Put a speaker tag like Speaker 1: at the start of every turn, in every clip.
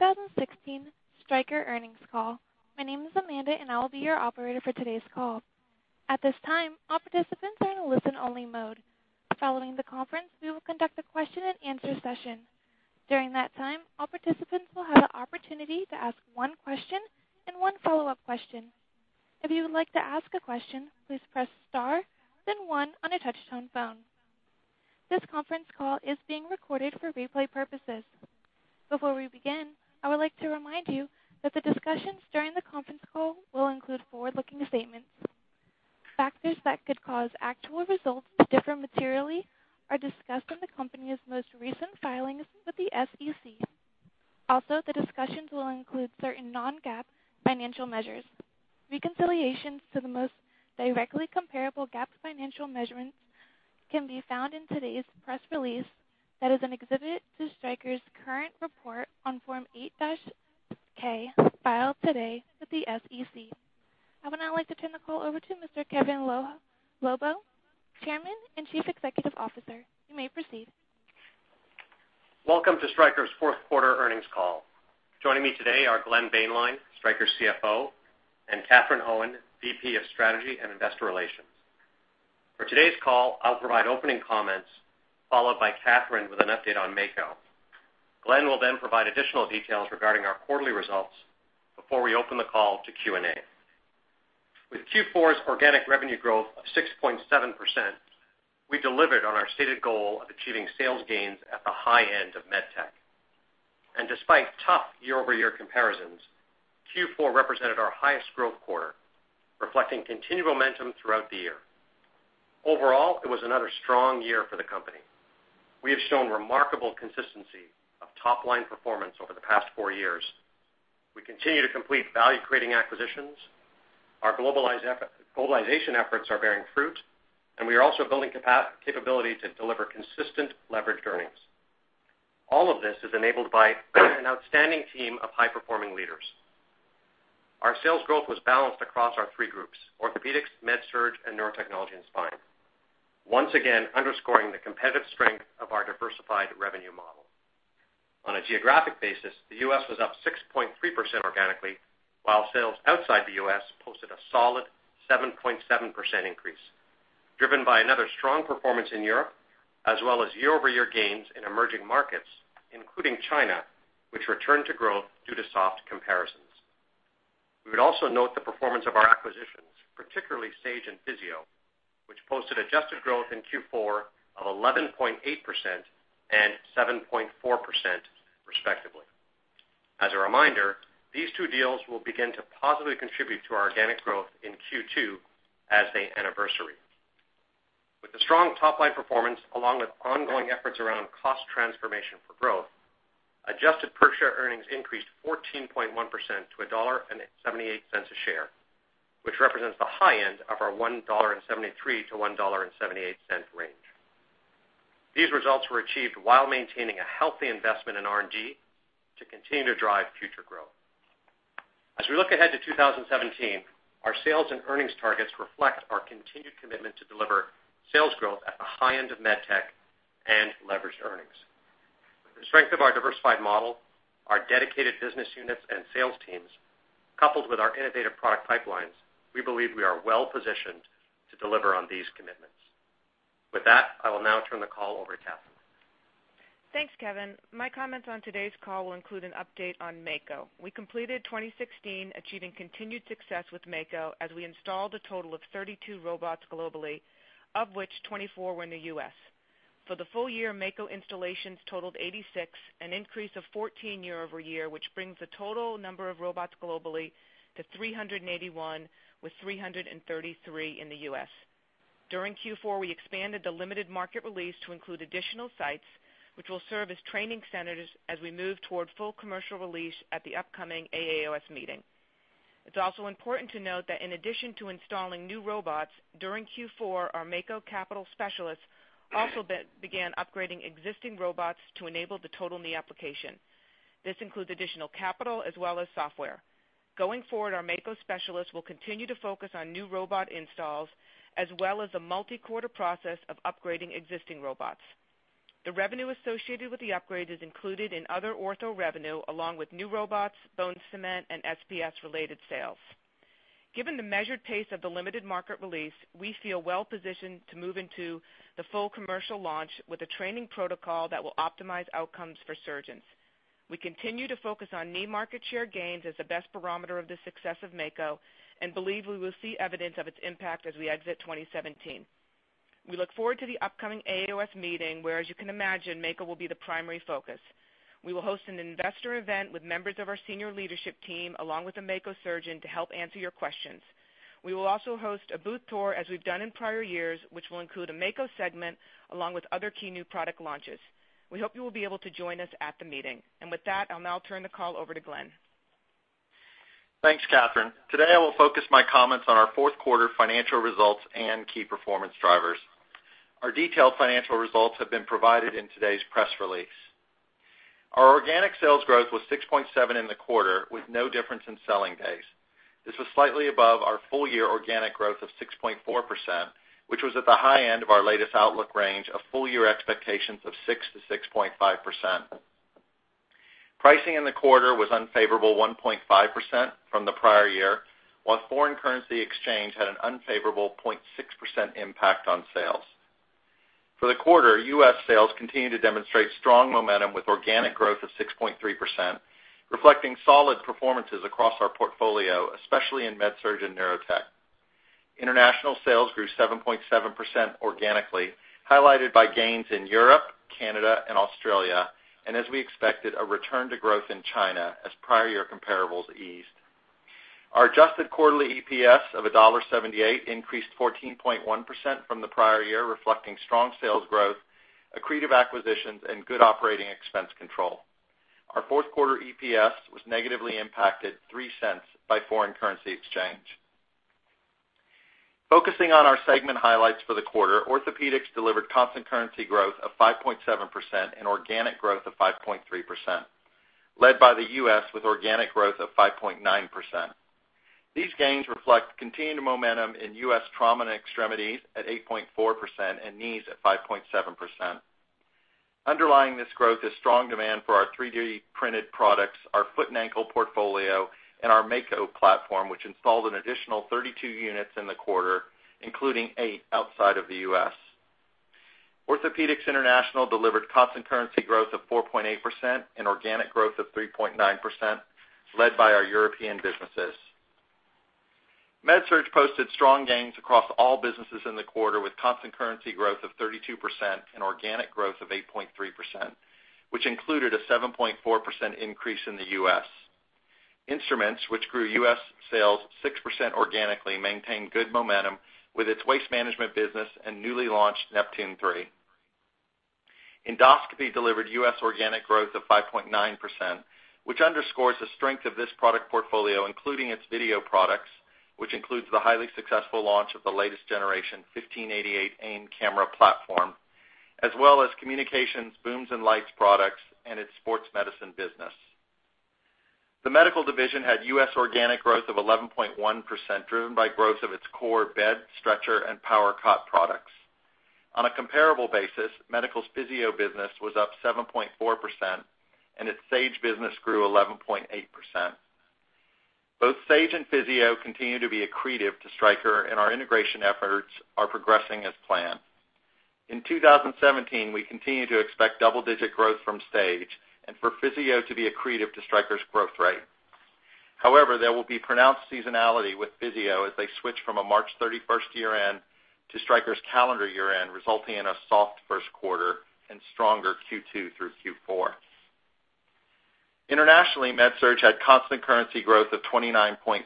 Speaker 1: Welcome to the fourth quarter 2016 Stryker earnings call. My name is Amanda, and I will be your operator for today's call. At this time, all participants are in a listen-only mode. Following the conference, we will conduct a question and answer session. During that time, all participants will have the opportunity to ask one question and one follow-up question. If you would like to ask a question, please press star then one on a touch-tone phone. This conference call is being recorded for replay purposes. Before we begin, I would like to remind you that the discussions during the conference call will include forward-looking statements. Factors that could cause actual results to differ materially are discussed in the company's most recent filings with the SEC. Also, the discussions will include certain non-GAAP financial measures. Reconciliations to the most directly comparable GAAP financial measurements can be found in today's press release that is an exhibit to Stryker's current report on Form 8-K filed today with the SEC. I would now like to turn the call over to Mr. Kevin Lobo, Chairman and Chief Executive Officer. You may proceed.
Speaker 2: Welcome to Stryker's fourth quarter earnings call. Joining me today are Glenn Boehnlein, Stryker's CFO, and Katherine Owen, VP of Strategy and Investor Relations. For today's call, I'll provide opening comments, followed by Katherine with an update on Mako. Glenn will then provide additional details regarding our quarterly results before we open the call to Q&A. With Q4's organic revenue growth of 6.7%, we delivered on our stated goal of achieving sales gains at the high end of med tech. Despite tough year-over-year comparisons, Q4 represented our highest growth quarter, reflecting continued momentum throughout the year. Overall, it was another strong year for the company. We have shown remarkable consistency of top-line performance over the past four years. We continue to complete value-creating acquisitions, our globalization efforts are bearing fruit, and we are also building capability to deliver consistent leveraged earnings. All of this is enabled by an outstanding team of high-performing leaders. Our sales growth was balanced across our three groups: orthopedics, MedSurg, and neurotechnology and spine. Once again, underscoring the competitive strength of our diversified revenue model. On a geographic basis, the U.S. was up 6.3% organically, while sales outside the U.S. posted a solid 7.7% increase, driven by another strong performance in Europe, as well as year-over-year gains in emerging markets, including China, which returned to growth due to soft comparisons. We would also note the performance of our acquisitions, particularly Sage and Physio-Control, which posted adjusted growth in Q4 of 11.8% and 7.4% respectively. As a reminder, these two deals will begin to positively contribute to our organic growth in Q2 as they anniversary. With the strong top-line performance, along with ongoing efforts around cost transformation for growth, adjusted per-share earnings increased 14.1% to $1.78 a share, which represents the high end of our $1.73-$1.78 range. These results were achieved while maintaining a healthy investment in R&D to continue to drive future growth. As we look ahead to 2017, our sales and earnings targets reflect our continued commitment to deliver sales growth at the high end of med tech and leveraged earnings. With the strength of our diversified model, our dedicated business units, and sales teams, coupled with our innovative product pipelines, we believe we are well positioned to deliver on these commitments. With that, I will now turn the call over to Katherine.
Speaker 3: Thanks, Kevin. My comments on today's call will include an update on Mako. We completed 2016 achieving continued success with Mako as we installed a total of 32 robots globally, of which 24 were in the U.S. For the full year, Mako installations totaled 86, an increase of 14 year-over-year, which brings the total number of robots globally to 381, with 333 in the U.S. During Q4, we expanded the limited market release to include additional sites which will serve as training centers as we move toward full commercial release at the upcoming AAOS meeting. It's also important to note that in addition to installing new robots during Q4, our Mako capital specialists also began upgrading existing robots to enable the total knee application. This includes additional capital as well as software. Going forward, our Mako specialists will continue to focus on new robot installs as well as a multi-quarter process of upgrading existing robots. The revenue associated with the upgrade is included in other ortho revenue along with new robots, bone cement, and SPS related sales. Given the measured pace of the limited market release, we feel well positioned to move into the full commercial launch with a training protocol that will optimize outcomes for surgeons. We continue to focus on knee market share gains as the best barometer of the success of Mako and believe we will see evidence of its impact as we exit 2017. We look forward to the upcoming AAOS meeting where, as you can imagine, Mako will be the primary focus. We will host an investor event with members of our senior leadership team, along with a Mako surgeon to help answer your questions. We will also host a booth tour as we've done in prior years, which will include a Mako segment along with other key new product launches. We hope you will be able to join us at the meeting. With that, I'll now turn the call over to Glenn.
Speaker 4: Thanks, Katherine. Today I will focus my comments on our fourth quarter financial results and key performance drivers. Our detailed financial results have been provided in today's press release. Our organic sales growth was 6.7% in the quarter, with no difference in selling pace. This was slightly above our full-year organic growth of 6.4%, which was at the high end of our latest outlook range of full-year expectations of 6%-6.5%. Pricing in the quarter was unfavorable 1.5% from the prior year, while foreign currency exchange had an unfavorable 0.6% impact on sales. For the quarter, U.S. sales continued to demonstrate strong momentum with organic growth of 6.3%, reflecting solid performances across our portfolio, especially in MedSurg and Neurotech. International sales grew 7.7% organically, highlighted by gains in Europe, Canada and Australia, as we expected, a return to growth in China as prior year comparables eased. Our adjusted quarterly EPS of $1.78 increased 14.1% from the prior year, reflecting strong sales growth, accretive acquisitions, and good operating expense control. Our fourth quarter EPS was negatively impacted $0.03 by foreign currency exchange. Focusing on our segment highlights for the quarter, Orthopedics delivered constant currency growth of 5.7% and organic growth of 5.3%, led by the U.S. with organic growth of 5.9%. These gains reflect continued momentum in U.S. Trauma & Extremities at 8.4% and knees at 5.7%. Underlying this growth is strong demand for our 3D printed products, our Foot & Ankle portfolio, and our Mako platform, which installed an additional 32 units in the quarter, including 8 outside of the U.S. Orthopedics International delivered constant currency growth of 4.8% and organic growth of 3.9%, led by our European businesses. MedSurg posted strong gains across all businesses in the quarter with constant currency growth of 32% and organic growth of 8.3%, which included a 7.4% increase in the U.S. Instruments, which grew U.S. sales 6% organically, maintained good momentum with its waste management business and newly launched Neptune 3. Endoscopy delivered U.S. organic growth of 5.9%, which underscores the strength of this product portfolio, including its video products, which includes the highly successful launch of the latest generation 1588 AIM camera platform, as well as communications booms and lights products and its sports medicine business. The Medical division had U.S. organic growth of 11.1%, driven by growth of its core bed, stretcher and power cot products. On a comparable basis, Medical's Physio-Control business was up 7.4% and its Sage business grew 11.8%. Both Sage and Physio-Control continue to be accretive to Stryker, our integration efforts are progressing as planned. In 2017, we continue to expect double-digit growth from Sage and for Physio-Control to be accretive to Stryker's growth rate. However, there will be pronounced seasonality with Physio-Control as they switch from a March 31st year-end to Stryker's calendar year-end, resulting in a soft first quarter and stronger Q2 through Q4. Internationally, MedSurg had constant currency growth of 29.4%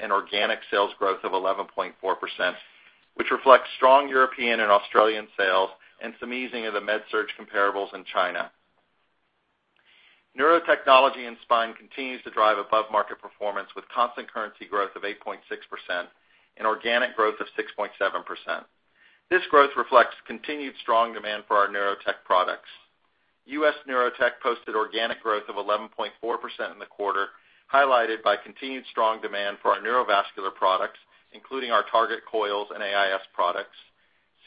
Speaker 4: and organic sales growth of 11.4%, which reflects strong European and Australian sales and some easing of the MedSurg comparables in China. Neurotechnology and Spine continues to drive above-market performance with constant currency growth of 8.6% and organic growth of 6.7%. This growth reflects continued strong demand for our Neurotech products. U.S. Neurotech posted organic growth of 11.4% in the quarter, highlighted by continued strong demand for our neurovascular products, including our Target Coils and AIS products,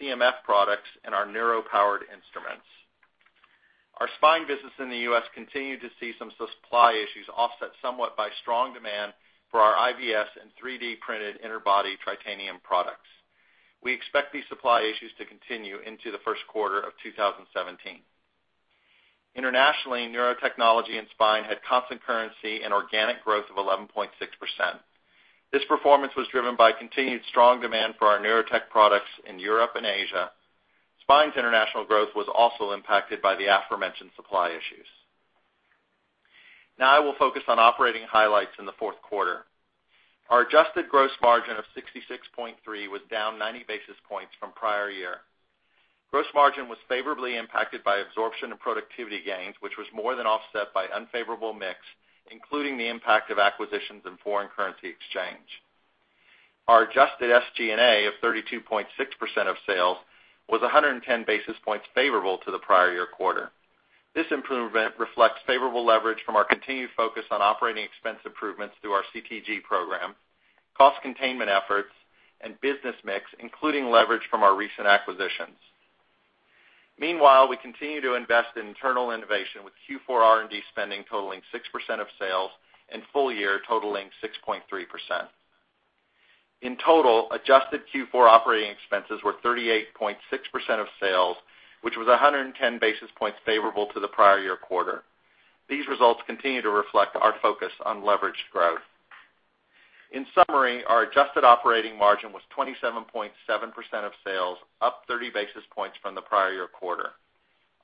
Speaker 4: CMF products, and our neuro-powered instruments. Our spine business in the U.S. continued to see some supply issues offset somewhat by strong demand for our IVS and 3D printed Interbody Tritanium products. We expect these supply issues to continue into the first quarter of 2017. Internationally, Neurotechnology and Spine had constant currency and organic growth of 11.6%. This performance was driven by continued strong demand for our Neurotech products in Europe and Asia. Spine's international growth was also impacted by the aforementioned supply issues. Now I will focus on operating highlights in the fourth quarter. Our adjusted gross margin of 66.3% was down 90 basis points from prior year. Gross margin was favorably impacted by absorption and productivity gains, which was more than offset by unfavorable mix, including the impact of acquisitions and foreign currency exchange. Our adjusted SG&A of 32.6% of sales was 110 basis points favorable to the prior year quarter. This improvement reflects favorable leverage from our continued focus on operating expense improvements through our CTG program, cost containment efforts, and business mix, including leverage from our recent acquisitions. Meanwhile, we continue to invest in internal innovation with Q4 R&D spending totaling 6% of sales and full year totaling 6.3%. In total, adjusted Q4 operating expenses were 38.6% of sales, which was 110 basis points favorable to the prior year quarter. These results continue to reflect our focus on leveraged growth. In summary, our adjusted operating margin was 27.7% of sales, up 30 basis points from the prior year quarter.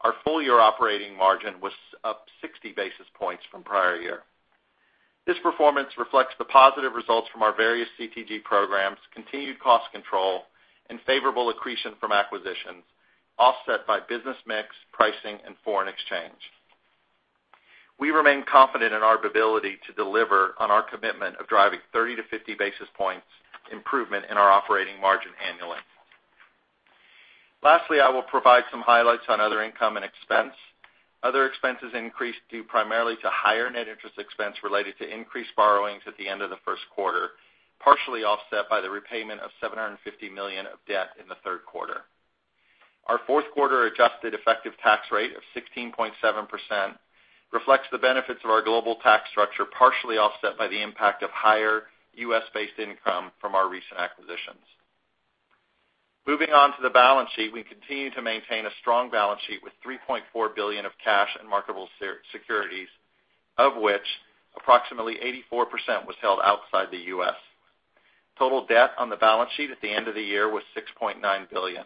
Speaker 4: Our full-year operating margin was up 60 basis points from prior year. This performance reflects the positive results from our various CTG programs, continued cost control, and favorable accretion from acquisitions, offset by business mix, pricing and foreign exchange. We remain confident in our ability to deliver on our commitment of driving 30 to 50 basis points improvement in our operating margin annually. Lastly, I will provide some highlights on other income and expense. Other expenses increased due primarily to higher net interest expense related to increased borrowings at the end of the first quarter, partially offset by the repayment of $750 million of debt in the third quarter. Our fourth quarter adjusted effective tax rate of 16.7% reflects the benefits of our global tax structure, partially offset by the impact of higher U.S.-based income from our recent acquisitions. Moving on to the balance sheet. We continue to maintain a strong balance sheet with $3.4 billion of cash and marketable securities, of which approximately 84% was held outside the U.S. Total debt on the balance sheet at the end of the year was $6.9 billion.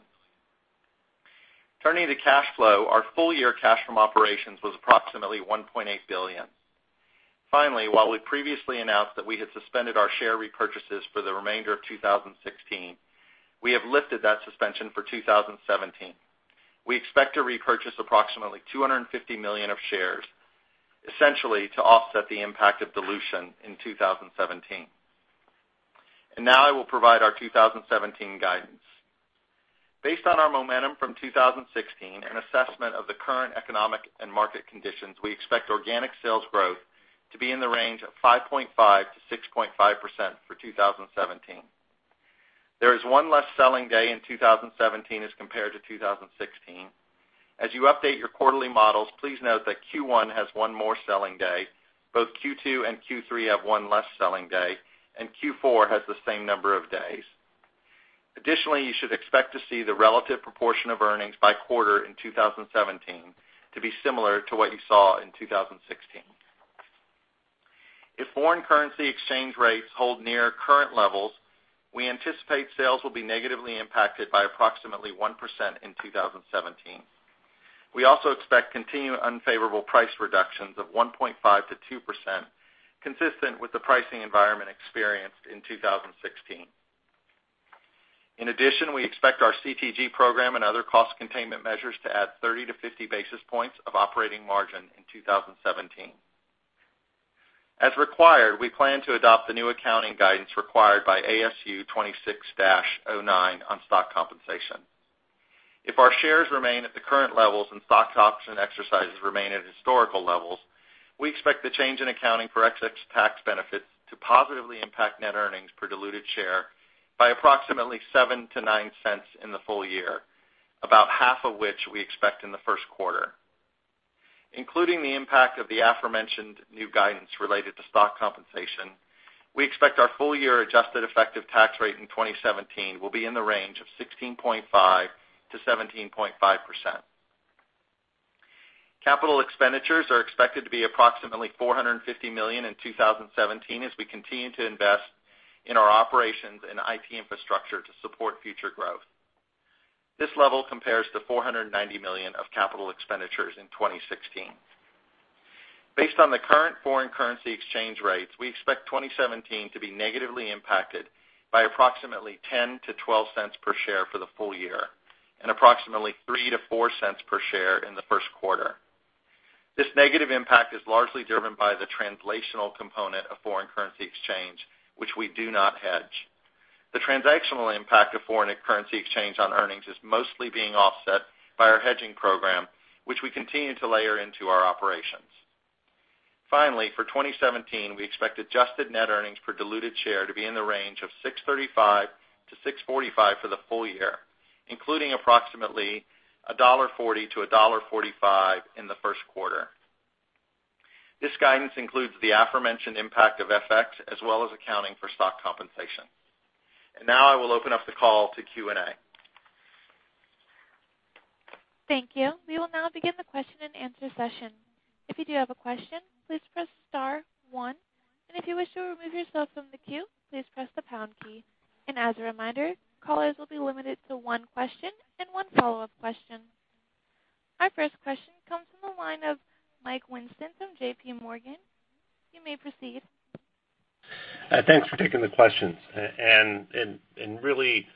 Speaker 4: Turning to cash flow, our full-year cash from operations was approximately $1.8 billion. Finally, while we previously announced that we had suspended our share repurchases for the remainder of 2016, we have lifted that suspension for 2017. We expect to repurchase approximately $250 million of shares, essentially to offset the impact of dilution in 2017. Now I will provide our 2017 guidance. Based on our momentum from 2016 and assessment of the current economic and market conditions, we expect organic sales growth to be in the range of 5.5%-6.5% for 2017. There is one less selling day in 2017 as compared to 2016. As you update your quarterly models, please note that Q1 has one more selling day. Both Q2 and Q3 have one less selling day, and Q4 has the same number of days. Additionally, you should expect to see the relative proportion of earnings by quarter in 2017 to be similar to what you saw in 2016. If foreign currency exchange rates hold near current levels, we anticipate sales will be negatively impacted by approximately 1% in 2017. We also expect continued unfavorable price reductions of 1.5%-2%, consistent with the pricing environment experienced in 2016. In addition, we expect our CTG program and other cost containment measures to add 30-50 basis points of operating margin in 2017. As required, we plan to adopt the new accounting guidance required by ASU 2016-09 on stock compensation. If our shares remain at the current levels and stock option exercises remain at historical levels, we expect the change in accounting for excess tax benefits to positively impact net earnings per diluted share by approximately $0.07-$0.09 in the full year, about half of which we expect in the first quarter. Including the impact of the aforementioned new guidance related to stock compensation, we expect our full-year adjusted effective tax rate in 2017 will be in the range of 16.5%-17.5%. Capital expenditures are expected to be approximately $450 million in 2017 as we continue to invest in our operations and IT infrastructure to support future growth. This level compares to $490 million of capital expenditures in 2016. Based on the current foreign currency exchange rates, we expect 2017 to be negatively impacted by approximately $0.10-$0.12 per share for the full year and approximately $0.03-$0.04 per share in the first quarter. This negative impact is largely driven by the translational component of foreign currency exchange, which we do not hedge. The transactional impact of foreign currency exchange on earnings is mostly being offset by our hedging program, which we continue to layer into our operations. Finally, for 2017, we expect adjusted net earnings per diluted share to be in the range of $6.35-$6.45 for the full year, including approximately $1.40-$1.45 in the first quarter. This guidance includes the aforementioned impact of FX, as well as accounting for stock compensation. Now I will open up the call to Q&A.
Speaker 1: Thank you. We will now begin the question and answer session. If you do have a question, please press *1, and if you wish to remove yourself from the queue, please press the # key. As a reminder, callers will be limited to one question and one follow-up question. Our first question comes from the line of Mike Weinstein from JPMorgan. You may proceed.
Speaker 5: Thanks for taking the questions. Really,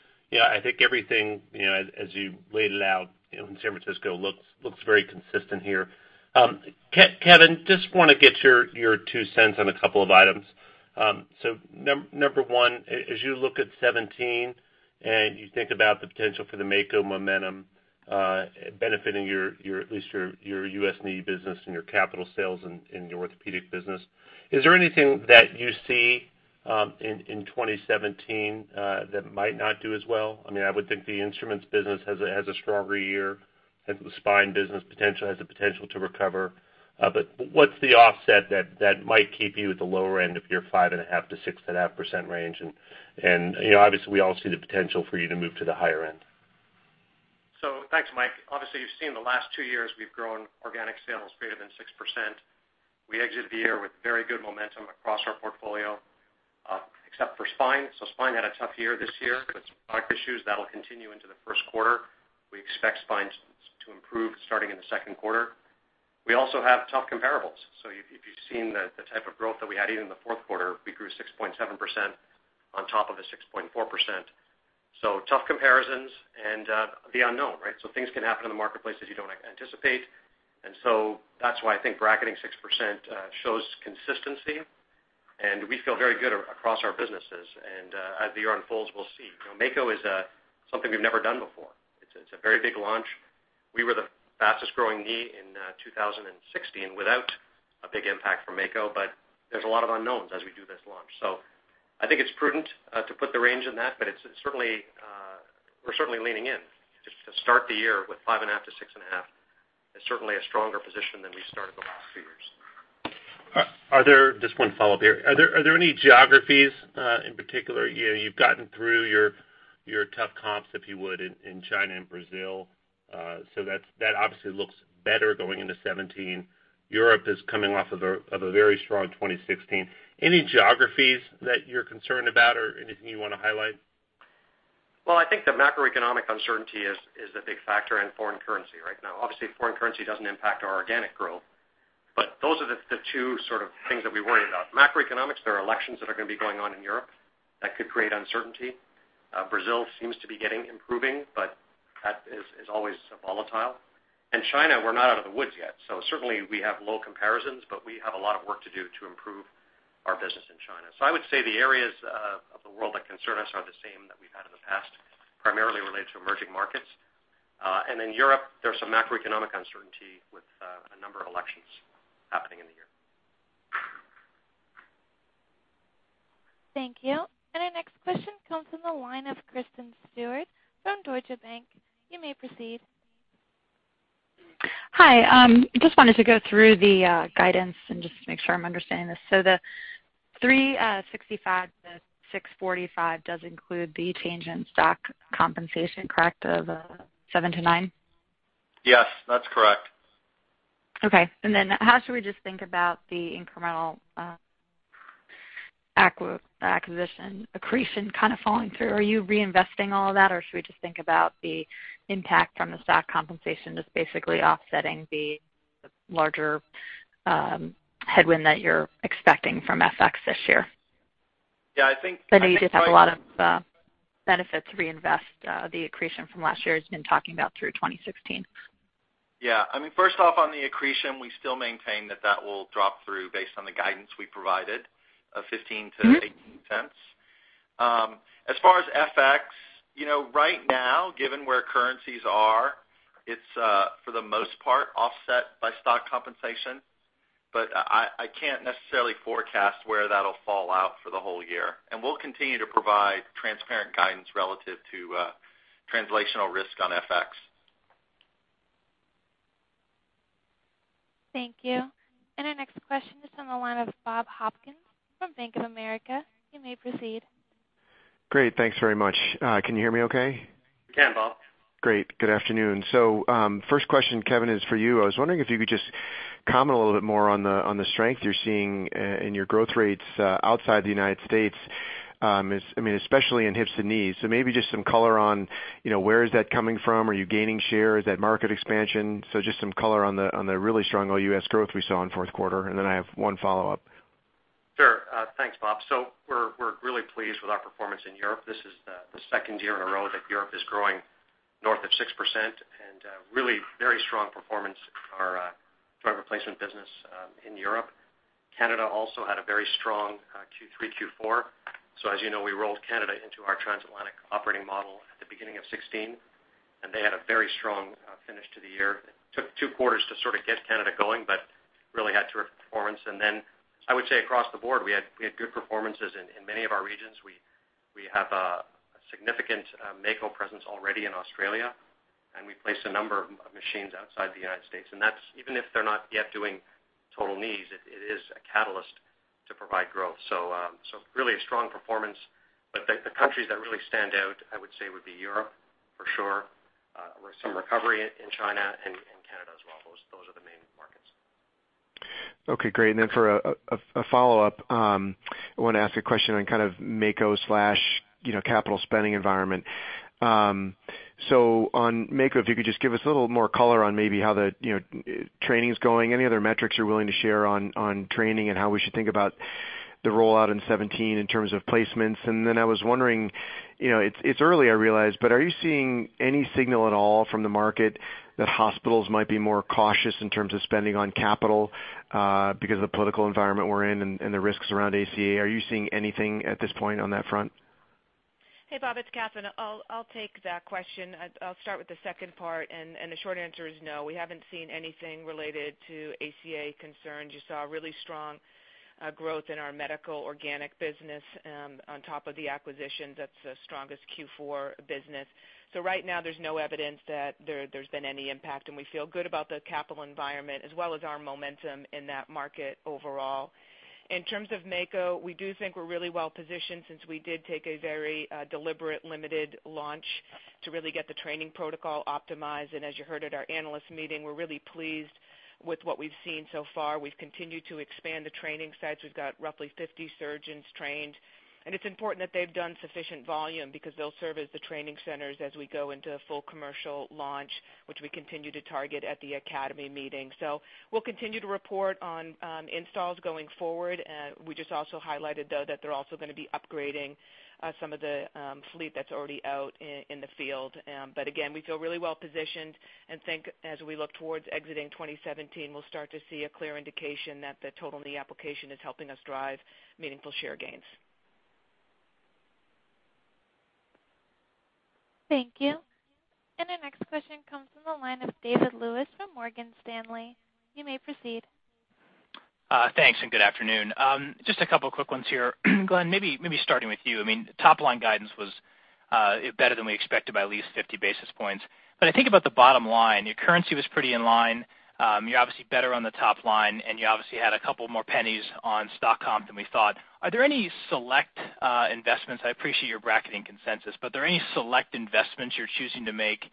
Speaker 5: I think everything, as you laid it out in San Francisco, looks very consistent here. Kevin, just want to get your two cents on a couple of items. Number one, as you look at 2017 and you think about the potential for the Mako momentum benefiting at least your U.S. Knee business and your capital sales in your Orthopedic business, is there anything that you see in 2017 that might not do as well? I would think the Instruments business has a stronger year, and the Spine business has the potential to recover. What's the offset that might keep you at the lower end of your 5.5%-6.5% range? Obviously, we all see the potential for you to move to the higher end.
Speaker 2: Thanks, Mike. Obviously, you've seen the last two years we've grown organic sales greater than 6%. We exited the year with very good momentum across our portfolio, except for Spine. Spine had a tough year this year with some product issues that'll continue into the first quarter. We expect Spine to improve starting in the second quarter. We also have tough comparables. If you've seen the type of growth that we had even in the fourth quarter, we grew 6.7% on top of a 6.4%. Tough comparisons and the unknown, right? Things can happen in the marketplace that you don't anticipate, that's why I think bracketing 6% shows consistency We feel very good across our businesses. As the year unfolds, we'll see. Mako is something we've never done before. It's a very big launch. We were the fastest-growing knee in 2016 without a big impact from Mako, there's a lot of unknowns as we do this launch. I think it's prudent to put the range in that, we're certainly leaning in. Just to start the year with 5.5%-6.5% is certainly a stronger position than we started the last few years.
Speaker 5: Just one follow-up here. Are there any geographies in particular? You've gotten through your tough comps, if you would, in China and Brazil. That obviously looks better going into 2017. Europe is coming off of a very strong 2016. Any geographies that you're concerned about or anything you want to highlight?
Speaker 2: Well, I think the macroeconomic uncertainty is a big factor in foreign currency right now. Obviously, foreign currency doesn't impact our organic growth. Those are the two sort of things that we worry about. Macroeconomics, there are elections that are going to be going on in Europe that could create uncertainty. Brazil seems to be improving, but that is always volatile. In China, we're not out of the woods yet. Certainly, we have low comparisons, but we have a lot of work to do to improve our business in China. I would say the areas of the world that concern us are the same that we've had in the past, primarily related to emerging markets. In Europe, there's some macroeconomic uncertainty with a number of elections happening in the year.
Speaker 1: Thank you. Our next question comes from the line of Kristen Stewart from Deutsche Bank. You may proceed.
Speaker 6: Hi. Just wanted to go through the guidance and just make sure I'm understanding this. The $6.35-$6.45 does include the change in stock compensation, correct, of $7-$9?
Speaker 4: Yes, that's correct.
Speaker 6: How should we just think about the incremental acquisition accretion kind of falling through? Are you reinvesting all of that, or should we just think about the impact from the stock compensation just basically offsetting the larger headwind that you're expecting from FX this year?
Speaker 4: Yeah.
Speaker 6: You just have a lot of benefits to reinvest the accretion from last year, as you've been talking about through 2016.
Speaker 4: Yeah. First off, on the accretion, we still maintain that that will drop through based on the guidance we provided of $0.15-$0.18. As far as FX, right now, given where currencies are, it's for the most part offset by stock compensation. I can't necessarily forecast where that'll fall out for the whole year. We'll continue to provide transparent guidance relative to translational risk on FX.
Speaker 1: Thank you. Our next question is on the line of Bob Hopkins from Bank of America. You may proceed.
Speaker 7: Great. Thanks very much. Can you hear me okay?
Speaker 4: We can, Bob.
Speaker 7: Great. Good afternoon. First question, Kevin, is for you. I was wondering if you could just comment a little bit more on the strength you're seeing in your growth rates outside the U.S., especially in hips and knees. Maybe just some color on where is that coming from. Are you gaining share? Is that market expansion? Just some color on the really strong OUS growth we saw in the fourth quarter, and then I have one follow-up.
Speaker 2: Sure. Thanks, Bob. We're really pleased with our performance in Europe. This is the second year in a row that Europe is growing north of 6%, and really very strong performance in our joint replacement business in Europe. Canada also had a very strong Q3, Q4. As you know, we rolled Canada into our Transatlantic Operating Model at the beginning of 2016, and they had a very strong finish to the year. It took two quarters to sort of get Canada going, but really had terrific performance. I would say across the board, we had good performances in many of our regions. We have a significant Mako presence already in Australia, and we placed a number of machines outside the U.S. Even if they're not yet doing total knees, it is a catalyst to provide growth. Really a strong performance. The countries that really stand out, I would say, would be Europe, for sure. We're seeing recovery in China and Canada as well. Those are the main markets.
Speaker 7: Okay, great. For a follow-up, I want to ask a question on kind of Mako/capital spending environment. On Mako, if you could just give us a little more color on maybe how the training's going. Any other metrics you're willing to share on training and how we should think about the rollout in 2017 in terms of placements. I was wondering, it's early, I realize, but are you seeing any signal at all from the market that hospitals might be more cautious in terms of spending on capital because of the political environment we're in and the risks around ACA? Are you seeing anything at this point on that front?
Speaker 3: Hey, Bob, it's Katherine. I'll take that question. I'll start with the second part. The short answer is no, we haven't seen anything related to ACA concerns. You saw really strong growth in our medical organic business on top of the acquisitions. That's the strongest Q4 business. Right now, there's no evidence that there's been any impact, and we feel good about the capital environment as well as our momentum in that market overall. In terms of Mako, we do think we're really well-positioned since we did take a very deliberate, limited launch to really get the training protocol optimized. As you heard at our analyst meeting, we're really pleased with what we've seen so far. We've continued to expand the training sites. We've got roughly 50 surgeons trained. It's important that they've done sufficient volume because they'll serve as the training centers as we go into a full commercial launch, which we continue to target at the Academy meeting. We'll continue to report on installs going forward. We just also highlighted, though, that they're also going to be upgrading some of the fleet that's already out in the field. Again, we feel really well-positioned and think as we look towards exiting 2017, we'll start to see a clear indication that the total knee application is helping us drive meaningful share gains.
Speaker 1: Thank you. Our next question comes from the line of David Lewis from Morgan Stanley. You may proceed.
Speaker 8: Thanks, good afternoon. Just a couple of quick ones here. Glenn, maybe starting with you. Top line guidance was better than we expected by at least 50 basis points. I think about the bottom line, your currency was pretty in line. You're obviously better on the top line. You obviously had a couple more $0.02 on stock comp than we thought. Are there any select investments, I appreciate you're bracketing consensus, but are there any select investments you're choosing to make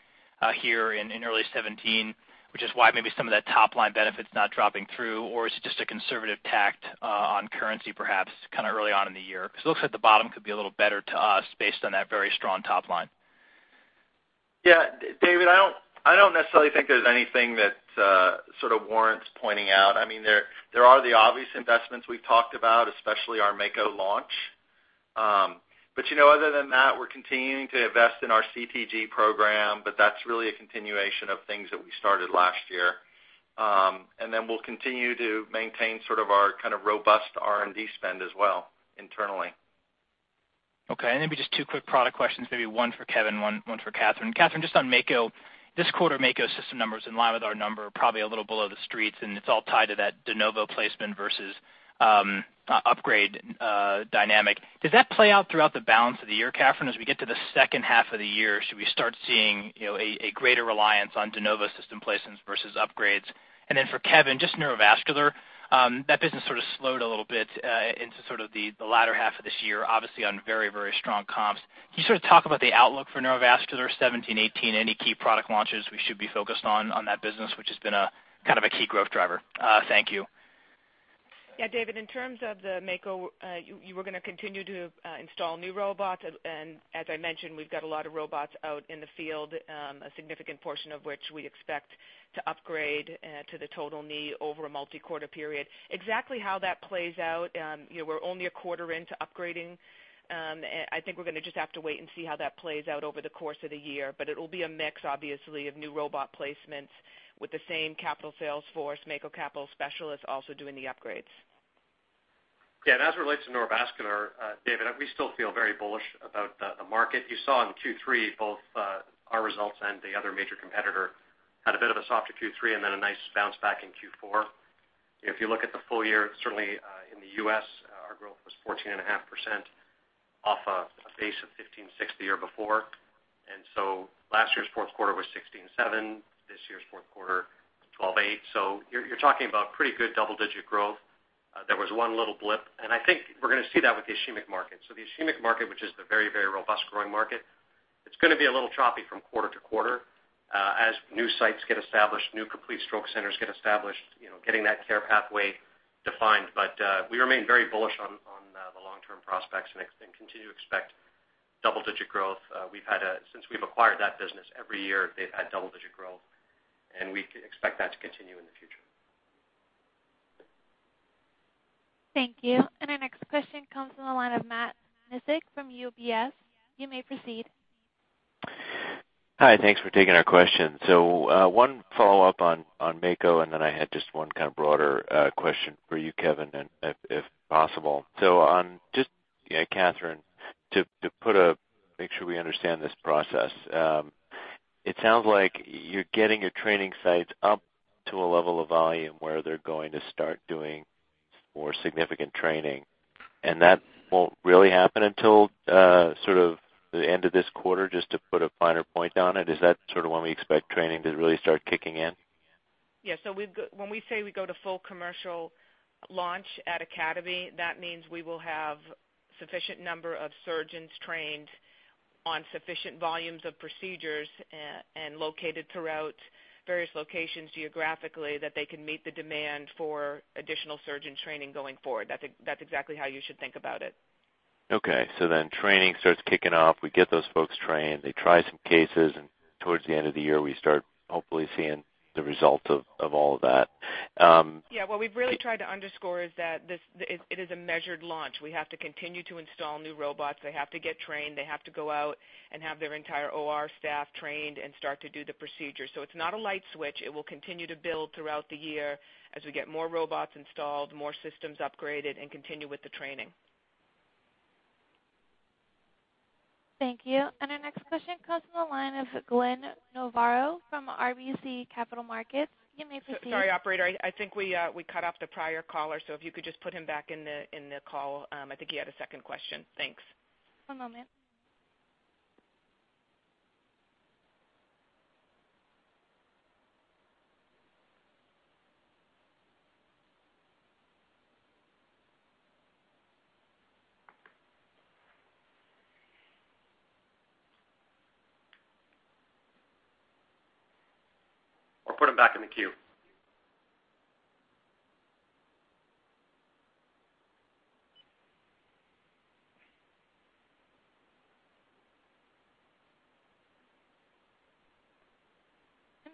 Speaker 8: here in early 2017, which is why maybe some of that top-line benefit's not dropping through? Is it just a conservative tact on currency, perhaps, kind of early on in the year? It looks like the bottom could be a little better to us based on that very strong top line.
Speaker 4: Yeah, David, I don't necessarily think there's anything that sort of warrants pointing out. There are the obvious investments we've talked about, especially our Mako launch. Other than that, we're continuing to invest in our CTG program, but that's really a continuation of things that we started last year. We'll continue to maintain sort of our kind of robust R&D spend as well internally.
Speaker 8: Okay. Maybe just two quick product questions, maybe one for Kevin, one for Katherine. Katherine, just on Mako. This quarter, Mako system number's in line with our number, probably a little below the Street's, and it's all tied to that de novo placement versus upgrade dynamic. Does that play out throughout the balance of the year, Katherine? As we get to the second half of the year, should we start seeing a greater reliance on de novo system placements versus upgrades? For Kevin, just neurovascular. That business sort of slowed a little bit into sort of the latter half of this year, obviously on very, very strong comps. Can you sort of talk about the outlook for neurovascular 2017, 2018? Any key product launches we should be focused on on that business, which has been kind of a key growth driver? Thank you.
Speaker 3: Yeah, David, in terms of the Mako, you were going to continue to install new robots. As I mentioned, we've got a lot of robots out in the field, a significant portion of which we expect to upgrade to the total knee over a multi-quarter period. Exactly how that plays out, we're only a quarter into upgrading. I think we're going to just have to wait and see how that plays out over the course of the year. It'll be a mix, obviously, of new robot placements with the same capital sales force, Mako capital specialists also doing the upgrades.
Speaker 2: Yeah, as it relates to neurovascular, David, we still feel very bullish about the market. You saw in Q3 both our results and the other major competitor had a bit of a softer Q3 and then a nice bounce back in Q4. If you look at the full year, certainly in the U.S., our growth was 14.5% off a base of 15.6 the year before. Last year's fourth quarter was 16.7, this year's fourth quarter, 12.8, so you're talking about pretty good double-digit growth. There was one little blip, and I think we're going to see that with the ischemic market. The ischemic market, which is the very, very robust growing market, it's going to be a little choppy from quarter to quarter as new sites get established, new complete stroke centers get established, getting that care pathway defined. We remain very bullish on the long-term prospects and continue to expect double-digit growth. Since we've acquired that business, every year they've had double-digit growth, and we expect that to continue in the future.
Speaker 1: Thank you. Our next question comes from the line of Matt Miksic from UBS. You may proceed.
Speaker 9: Hi. Thanks for taking our question. One follow-up on Mako, and then I had just one kind of broader question for you, Kevin, if possible. Just, Katherine, to make sure we understand this process. It sounds like you're getting your training sites up to a level of volume where they're going to start doing more significant training, and that won't really happen until sort of the end of this quarter, just to put a finer point on it. Is that sort of when we expect training to really start kicking in?
Speaker 3: Yeah. When we say we go to full commercial launch at Academy, that means we will have sufficient number of surgeons trained on sufficient volumes of procedures and located throughout various locations geographically that they can meet the demand for additional surgeon training going forward. That's exactly how you should think about it.
Speaker 9: Okay. Training starts kicking off. We get those folks trained, they try some cases, and towards the end of the year, we start hopefully seeing the results of all of that.
Speaker 3: Yeah. What we've really tried to underscore is that it is a measured launch. We have to continue to install new robots. They have to get trained. They have to go out and have their entire OR staff trained and start to do the procedure. It's not a light switch. It will continue to build throughout the year as we get more robots installed, more systems upgraded, and continue with the training.
Speaker 1: Thank you. Our next question comes from the line of Glenn Novarro from RBC Capital Markets. You may proceed.
Speaker 3: Sorry, operator. I think we cut off the prior caller, if you could just put him back in the call. I think he had a second question. Thanks.
Speaker 1: One moment.
Speaker 2: Put him back in the queue.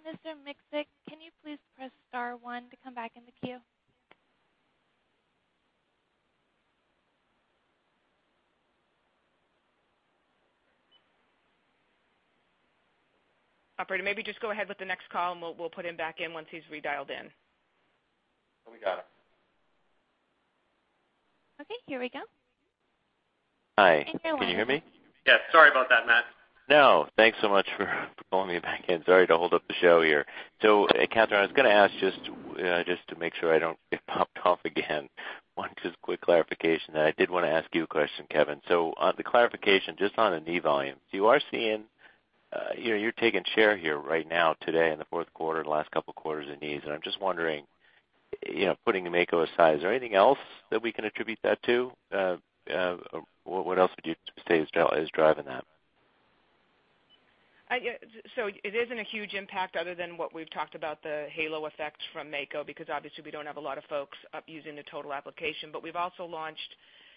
Speaker 1: Mr. Miksic, can you please press star one to come back in the queue?
Speaker 3: Operator, maybe just go ahead with the next call, and we'll put him back in once he's redialed in.
Speaker 4: We got it.
Speaker 1: Okay, here we go.
Speaker 9: Hi.
Speaker 1: Thanks, everyone.
Speaker 9: Can you hear me?
Speaker 2: Yes. Sorry about that, Matt.
Speaker 9: Thanks so much for pulling me back in. Sorry to hold up the show here. Katherine, I was going to ask, just to make sure I don't get popped off again, one just quick clarification, then I did want to ask you a question, Kevin. On the clarification, just on the knee volume, you're taking share here right now today in the fourth quarter, the last couple of quarters in knees, and I'm just wondering, putting the Mako aside, is there anything else that we can attribute that to? What else would you say is driving that?
Speaker 3: It isn't a huge impact other than what we've talked about, the halo effect from Mako, because obviously we don't have a lot of folks using the total application. We've also launched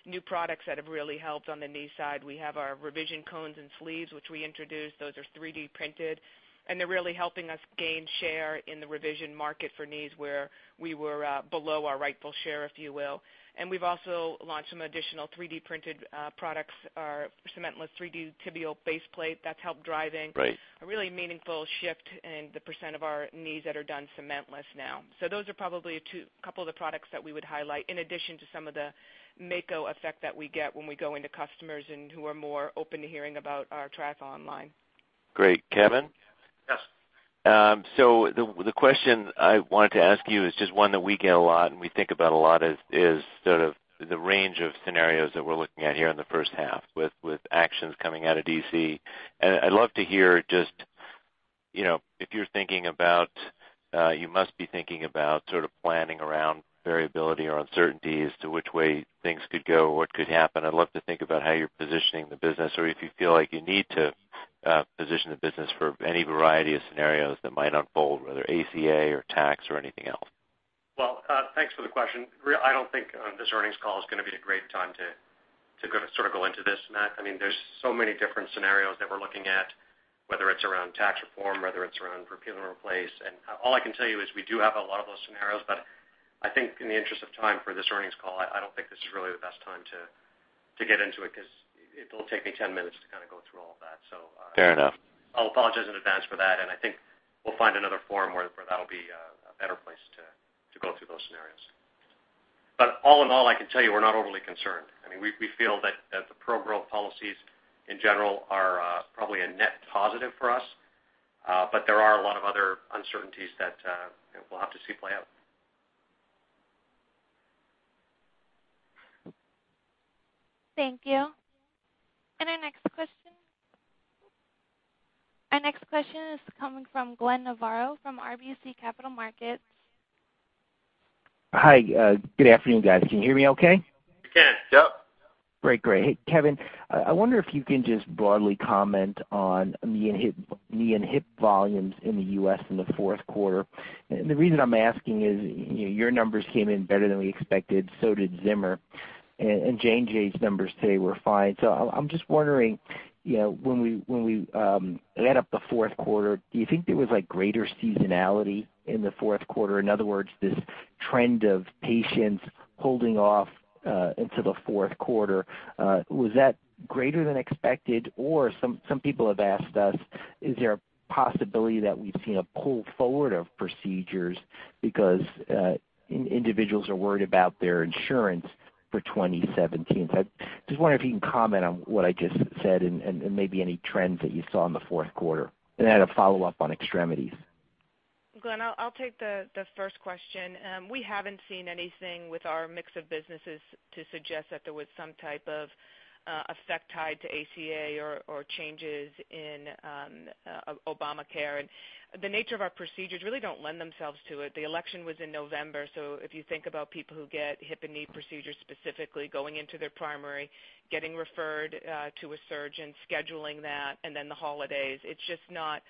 Speaker 3: new products that have really helped on the knee side. We have our revision cones and sleeves, which we introduced. Those are 3D printed, and they're really helping us gain share in the revision market for knees, where we were below our rightful share, if you will. We've also launched some additional 3D-printed products, our cementless 3D tibial base plate. That's helped.
Speaker 9: Great
Speaker 3: A really meaningful shift in the percent of our knees that are done cementless now. Those are probably a couple of the products that we would highlight in addition to some of the Mako effect that we get when we go into customers and who are more open to hearing about our Triathlon line.
Speaker 9: Great. Kevin?
Speaker 2: Yes.
Speaker 9: The question I wanted to ask you is just one that we get a lot and we think about a lot, is sort of the range of scenarios that we're looking at here in the first half with actions coming out of D.C. I'd love to hear, you must be thinking about sort of planning around variability or uncertainty as to which way things could go or what could happen. I'd love to think about how you're positioning the business, or if you feel like you need to position the business for any variety of scenarios that might unfold, whether ACA or tax or anything else.
Speaker 2: Well, thanks for the question. I don't think this earnings call is going to be a great time to sort of go into this, Matt. There's so many different scenarios that we're looking at, whether it's around tax reform, whether it's around repeal and replace. All I can tell you is we do have a lot of those scenarios, I think in the interest of time for this earnings call, I don't think this is really the best time to get into it because it'll take me 10 minutes to kind of go through all of that.
Speaker 9: Fair enough.
Speaker 2: I'll apologize in advance for that, I think we'll find another forum where that'll be a better place to go through those scenarios. All in all, I can tell you we're not overly concerned. We feel that the pro-growth policies in general are probably a net positive for us, but there are a lot of other uncertainties that we'll have to see play out.
Speaker 1: Thank you. Our next question is coming from Glenn Novarro from RBC Capital Markets.
Speaker 10: Hi, good afternoon, guys. Can you hear me okay?
Speaker 2: We can, yep.
Speaker 10: Great, Kevin, I wonder if you can just broadly comment on knee and hip volumes in the U.S. in the fourth quarter. The reason I'm asking is, your numbers came in better than we expected, so did Zimmer. J&J's numbers today were fine. I'm just wondering, when we add up the fourth quarter, do you think there was greater seasonality in the fourth quarter? In other words, this trend of patients holding off into the fourth quarter, was that greater than expected? Some people have asked us, is there a possibility that we've seen a pull forward of procedures because individuals are worried about their insurance for 2017? I just wonder if you can comment on what I just said and maybe any trends that you saw in the fourth quarter. I had a follow-up on extremities.
Speaker 3: Glenn, I'll take the first question. We haven't seen anything with our mix of businesses to suggest that there was some type of effect tied to ACA or changes in Obamacare. The nature of our procedures really don't lend themselves to it. The election was in November, so if you think about people who get hip and knee procedures, specifically going into their primary, getting referred to a surgeon, scheduling that, and then the holidays, it's just not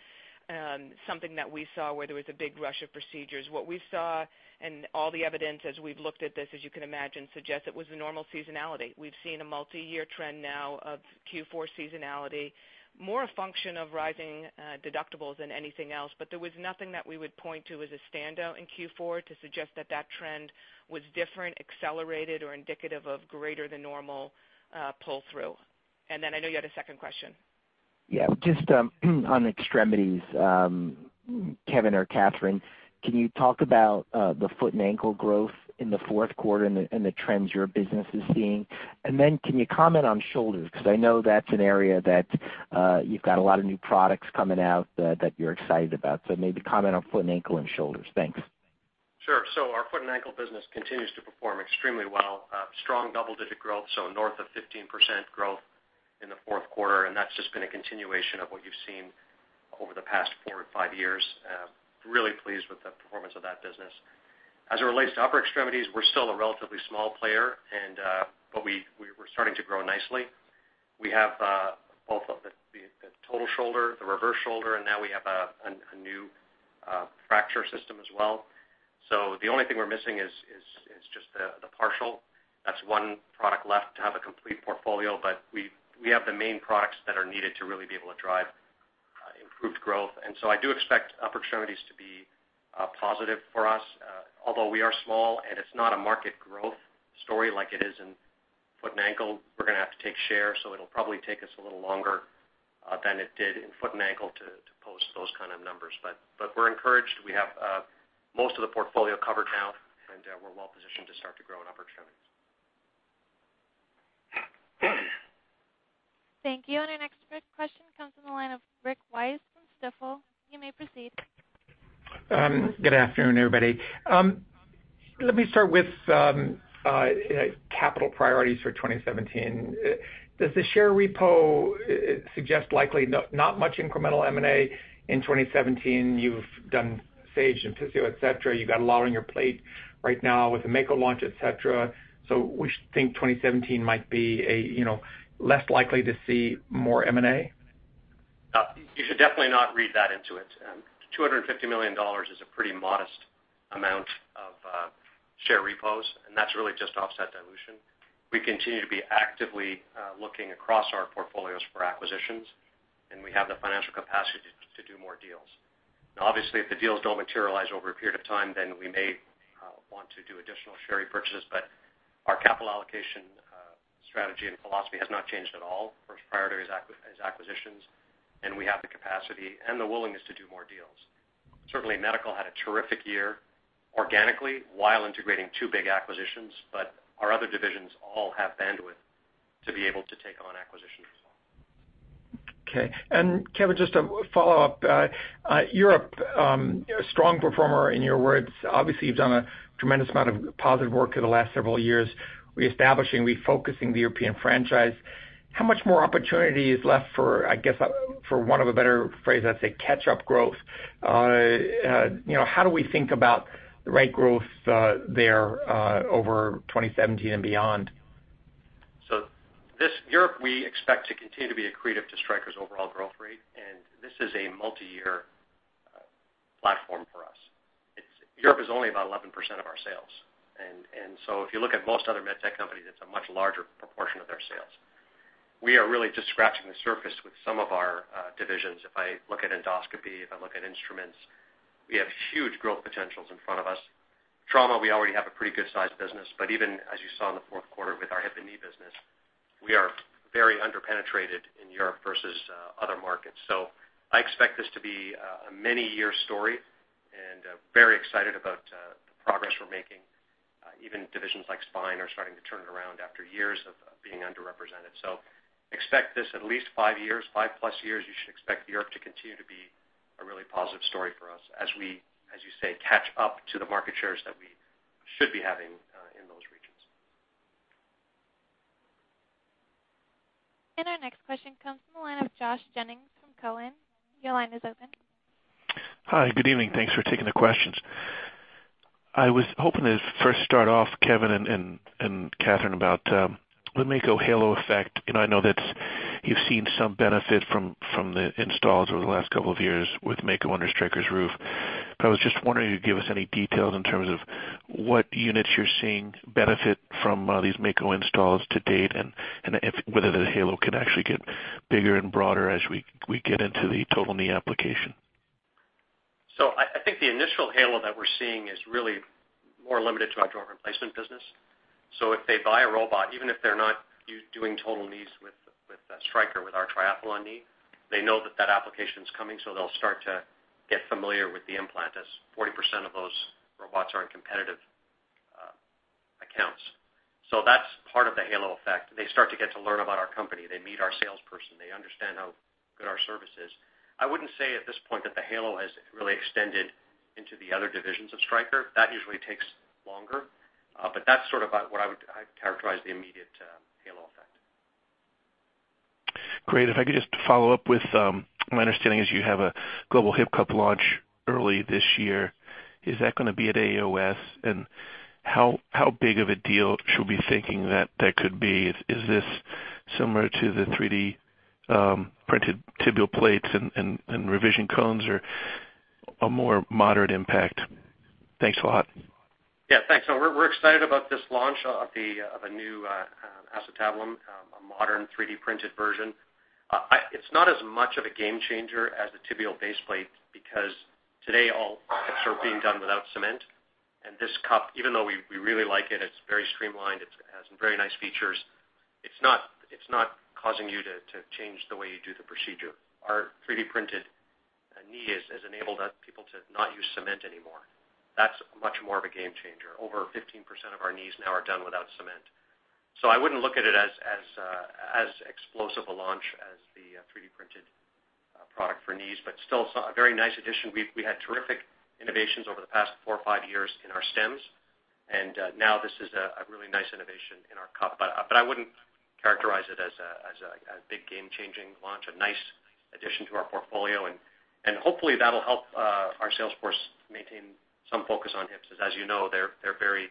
Speaker 3: something that we saw where there was a big rush of procedures. What we saw and all the evidence as we've looked at this, as you can imagine, suggests it was the normal seasonality. We've seen a multi-year trend now of Q4 seasonality, more a function of rising deductibles than anything else. There was nothing that we would point to as a standout in Q4 to suggest that that trend was different, accelerated, or indicative of greater than normal pull-through. I know you had a second question.
Speaker 10: Yeah. Just on extremities, Kevin or Katherine, can you talk about the foot and ankle growth in the fourth quarter and the trends your business is seeing? Can you comment on shoulders? I know that's an area that you've got a lot of new products coming out that you're excited about. Maybe comment on foot and ankle and shoulders. Thanks.
Speaker 2: Sure. Our foot and ankle business continues to perform extremely well. Strong double-digit growth, north of 15% growth in the fourth quarter, and that's just been a continuation of what you've seen over the past four or five years. Really pleased with the performance of that business. As it relates to upper extremities, we're still a relatively small player, but we're starting to grow nicely. We have both the total shoulder, the reverse shoulder, and now we have a new fracture system as well. The only thing we're missing is just the partial. That's one product left to have a complete portfolio, but we have the main products that are needed to really be able to drive improved growth. I do expect upper extremities to be positive for us. Although we are small and it's not a market growth story like it is in Foot and ankle, we're going to have to take share, it'll probably take us a little longer than it did in foot and ankle to post those kind of numbers. We're encouraged. We have most of the portfolio covered now, we're well positioned to start to grow in upper extremities.
Speaker 1: Thank you. Our next question comes from the line of Rick Wise from Stifel. You may proceed.
Speaker 11: Good afternoon, everybody. Let me start with capital priorities for 2017. Does the share repo suggest likely not much incremental M&A in 2017? You've done Sage and Physio-Control, et cetera. You got a lot on your plate right now with the Mako launch, et cetera. We think 2017 might be less likely to see more M&A?
Speaker 2: You should definitely not read that into it. $250 million is a pretty modest amount of share repos. That's really just offset dilution. We continue to be actively looking across our portfolios for acquisitions. We have the financial capacity to do more deals. Obviously, if the deals don't materialize over a period of time, we may want to do additional share repurchases. Our capital allocation strategy and philosophy has not changed at all. First priority is acquisitions. We have the capacity and the willingness to do more deals. Certainly, Medical had a terrific year organically while integrating two big acquisitions, our other divisions all have bandwidth to be able to take on acquisitions as well.
Speaker 11: Okay. Kevin, just a follow-up. Europe, a strong performer, in your words, obviously, you've done a tremendous amount of positive work in the last several years reestablishing, refocusing the European franchise. How much more opportunity is left for, I guess, for want of a better phrase, I'd say catch-up growth? How do we think about the right growth there over 2017 and beyond?
Speaker 2: This Europe, we expect to continue to be accretive to Stryker's overall growth rate. This is a multi-year platform for us. Europe is only about 11% of our sales. If you look at most other med tech companies, it's a much larger proportion of their sales. We are really just scratching the surface with some of our divisions. If I look at Endoscopy, if I look at Instruments, we have huge growth potentials in front of us. Trauma, we already have a pretty good-sized business, even as you saw in the fourth quarter with our hip and knee business, we are very under-penetrated in Europe versus other markets. I expect this to be a many-year story. Very excited about the progress we're making. Even divisions like Spine are starting to turn around after years of being underrepresented. Expect this at least five years, five-plus years, you should expect Europe to continue to be a really positive story for us as we, as you say, catch up to the market shares that we should be having in those regions.
Speaker 1: Our next question comes from the line of Josh Jennings from Cowen. Your line is open.
Speaker 12: Hi. Good evening. Thanks for taking the questions. I was hoping to first start off, Kevin and Katherine, about the Mako halo effect. I know that you've seen some benefit from the installs over the last couple of years with Mako under Stryker's roof, but I was just wondering if you'd give us any details in terms of what units you're seeing benefit from these Mako installs to date, and whether the halo can actually get bigger and broader as we get into the total knee application.
Speaker 2: I think the initial halo that we're seeing is really more limited to our joint replacement business. If they buy a robot, even if they're not doing total knees with Stryker, with our Triathlon knee, they know that that application's coming, so they'll start to get familiar with the implant, as 40% of those robots are in competitive accounts. That's part of the halo effect. They start to get to learn about our company. They meet our salesperson. They understand how good our service is. I wouldn't say at this point that the halo has really extended into the other divisions of Stryker. That usually takes longer. That's sort of how I'd characterize the immediate halo effect.
Speaker 12: Great. If I could just follow up with, my understanding is you have a global hip cup launch early this year. Is that going to be at AAOS? How big of a deal should we be thinking that that could be? Is this similar to the 3D-printed tibial plates and revision cones or a more moderate impact? Thanks a lot.
Speaker 2: Yeah, thanks. We're excited about this launch of a new acetabulum, a modern 3D-printed version. It's not as much of a game changer as the tibial base plate because today all hips are being done without cement, and this cup, even though we really like it's very streamlined, it has very nice features, it's not causing you to change the way you do the procedure. Our 3D-printed knee has enabled people to not use cement anymore. That's much more of a game changer. Over 15% of our knees now are done without cement. I wouldn't look at it as explosive a launch as the 3D-printed product for knees, but still a very nice addition. We had terrific innovations over the past four or five years in our stems, and now this is a really nice innovation in our cup. I wouldn't characterize it as a big game-changing launch. A nice addition to our portfolio, hopefully that'll help our sales force maintain some focus on hips, because as you know, they're very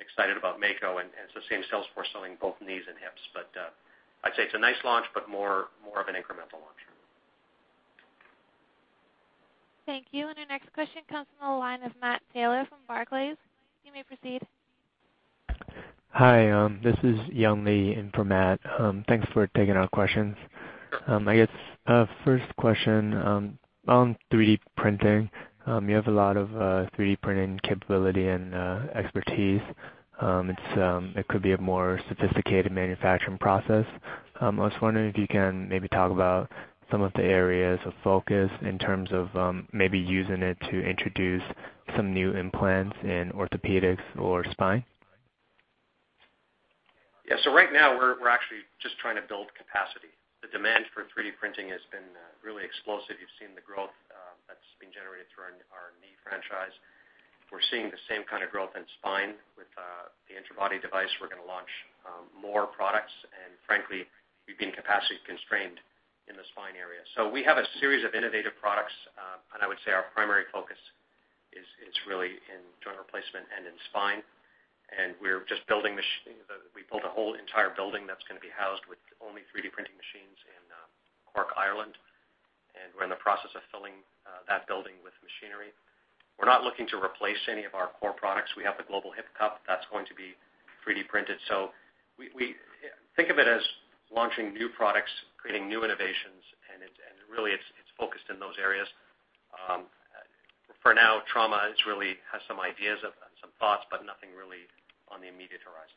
Speaker 2: excited about Mako, and it's the same sales force selling both knees and hips. I'd say it's a nice launch, but more of an incremental launch.
Speaker 1: Thank you. Our next question comes from the line of Matt Taylor from Barclays. You may proceed.
Speaker 13: Hi, this is Yung Lee in for Matt. Thanks for taking our questions. I guess, first question on 3D printing. You have a lot of 3D printing capability and expertise. It could be a more sophisticated manufacturing process. I was wondering if you can maybe talk about some of the areas of focus in terms of maybe using it to introduce some new implants in orthopedics or spine.
Speaker 2: Right now, we're actually just trying to build capacity. The demand for 3D printing has been really explosive. You've seen the growth that's been generated through our knee franchise. We're seeing the same kind of growth in spine with the interbody device. We're going to launch more products. Frankly, we've been capacity constrained in the spine area. We have a series of innovative products. I would say our primary focus is really in joint replacement and in spine. We built a whole entire building that's going to be housed with only 3D printing machines in Cork, Ireland, and we're in the process of filling that building with machinery. We're not looking to replace any of our core products. We have the global hip cup that's going to be 3D printed. Think of it as launching new products, creating new innovations, and really it's focused in those areas. For now, trauma really has some ideas of and some thoughts, but nothing really on the immediate horizon.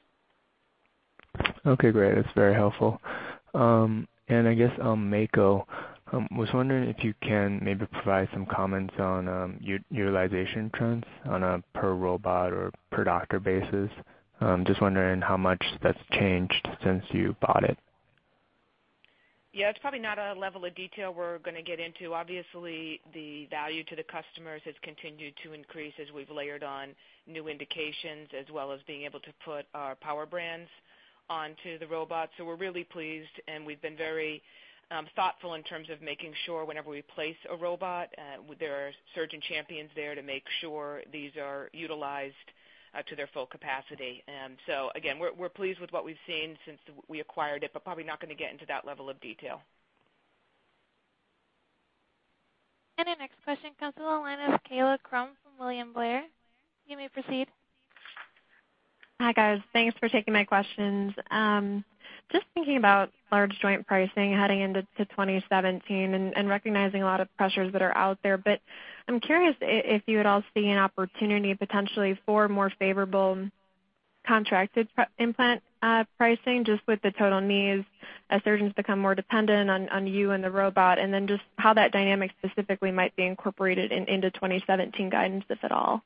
Speaker 13: Okay, great. That's very helpful. I guess on Mako, I was wondering if you can maybe provide some comments on utilization trends on a per robot or per doctor basis. Just wondering how much that's changed since you bought it.
Speaker 3: Yeah, it's probably not a level of detail we're going to get into. Obviously, the value to the customers has continued to increase as we've layered on new indications, as well as being able to put our power brands onto the robot. We're really pleased. We've been very thoughtful in terms of making sure whenever we place a robot, there are surgeon champions there to make sure these are utilized to their full capacity. Again, we're pleased with what we've seen since we acquired it. Probably not going to get into that level of detail.
Speaker 1: Our next question comes from the line of Kaila Krum from William Blair. You may proceed.
Speaker 14: Hi, guys. Thanks for taking my questions. Just thinking about large joint pricing heading into 2017 and recognizing a lot of pressures that are out there. I'm curious if you at all see an opportunity potentially for more favorable contracted implant pricing, just with the total knees as surgeons become more dependent on you and the robot, and then just how that dynamic specifically might be incorporated into 2017 guidance, if at all.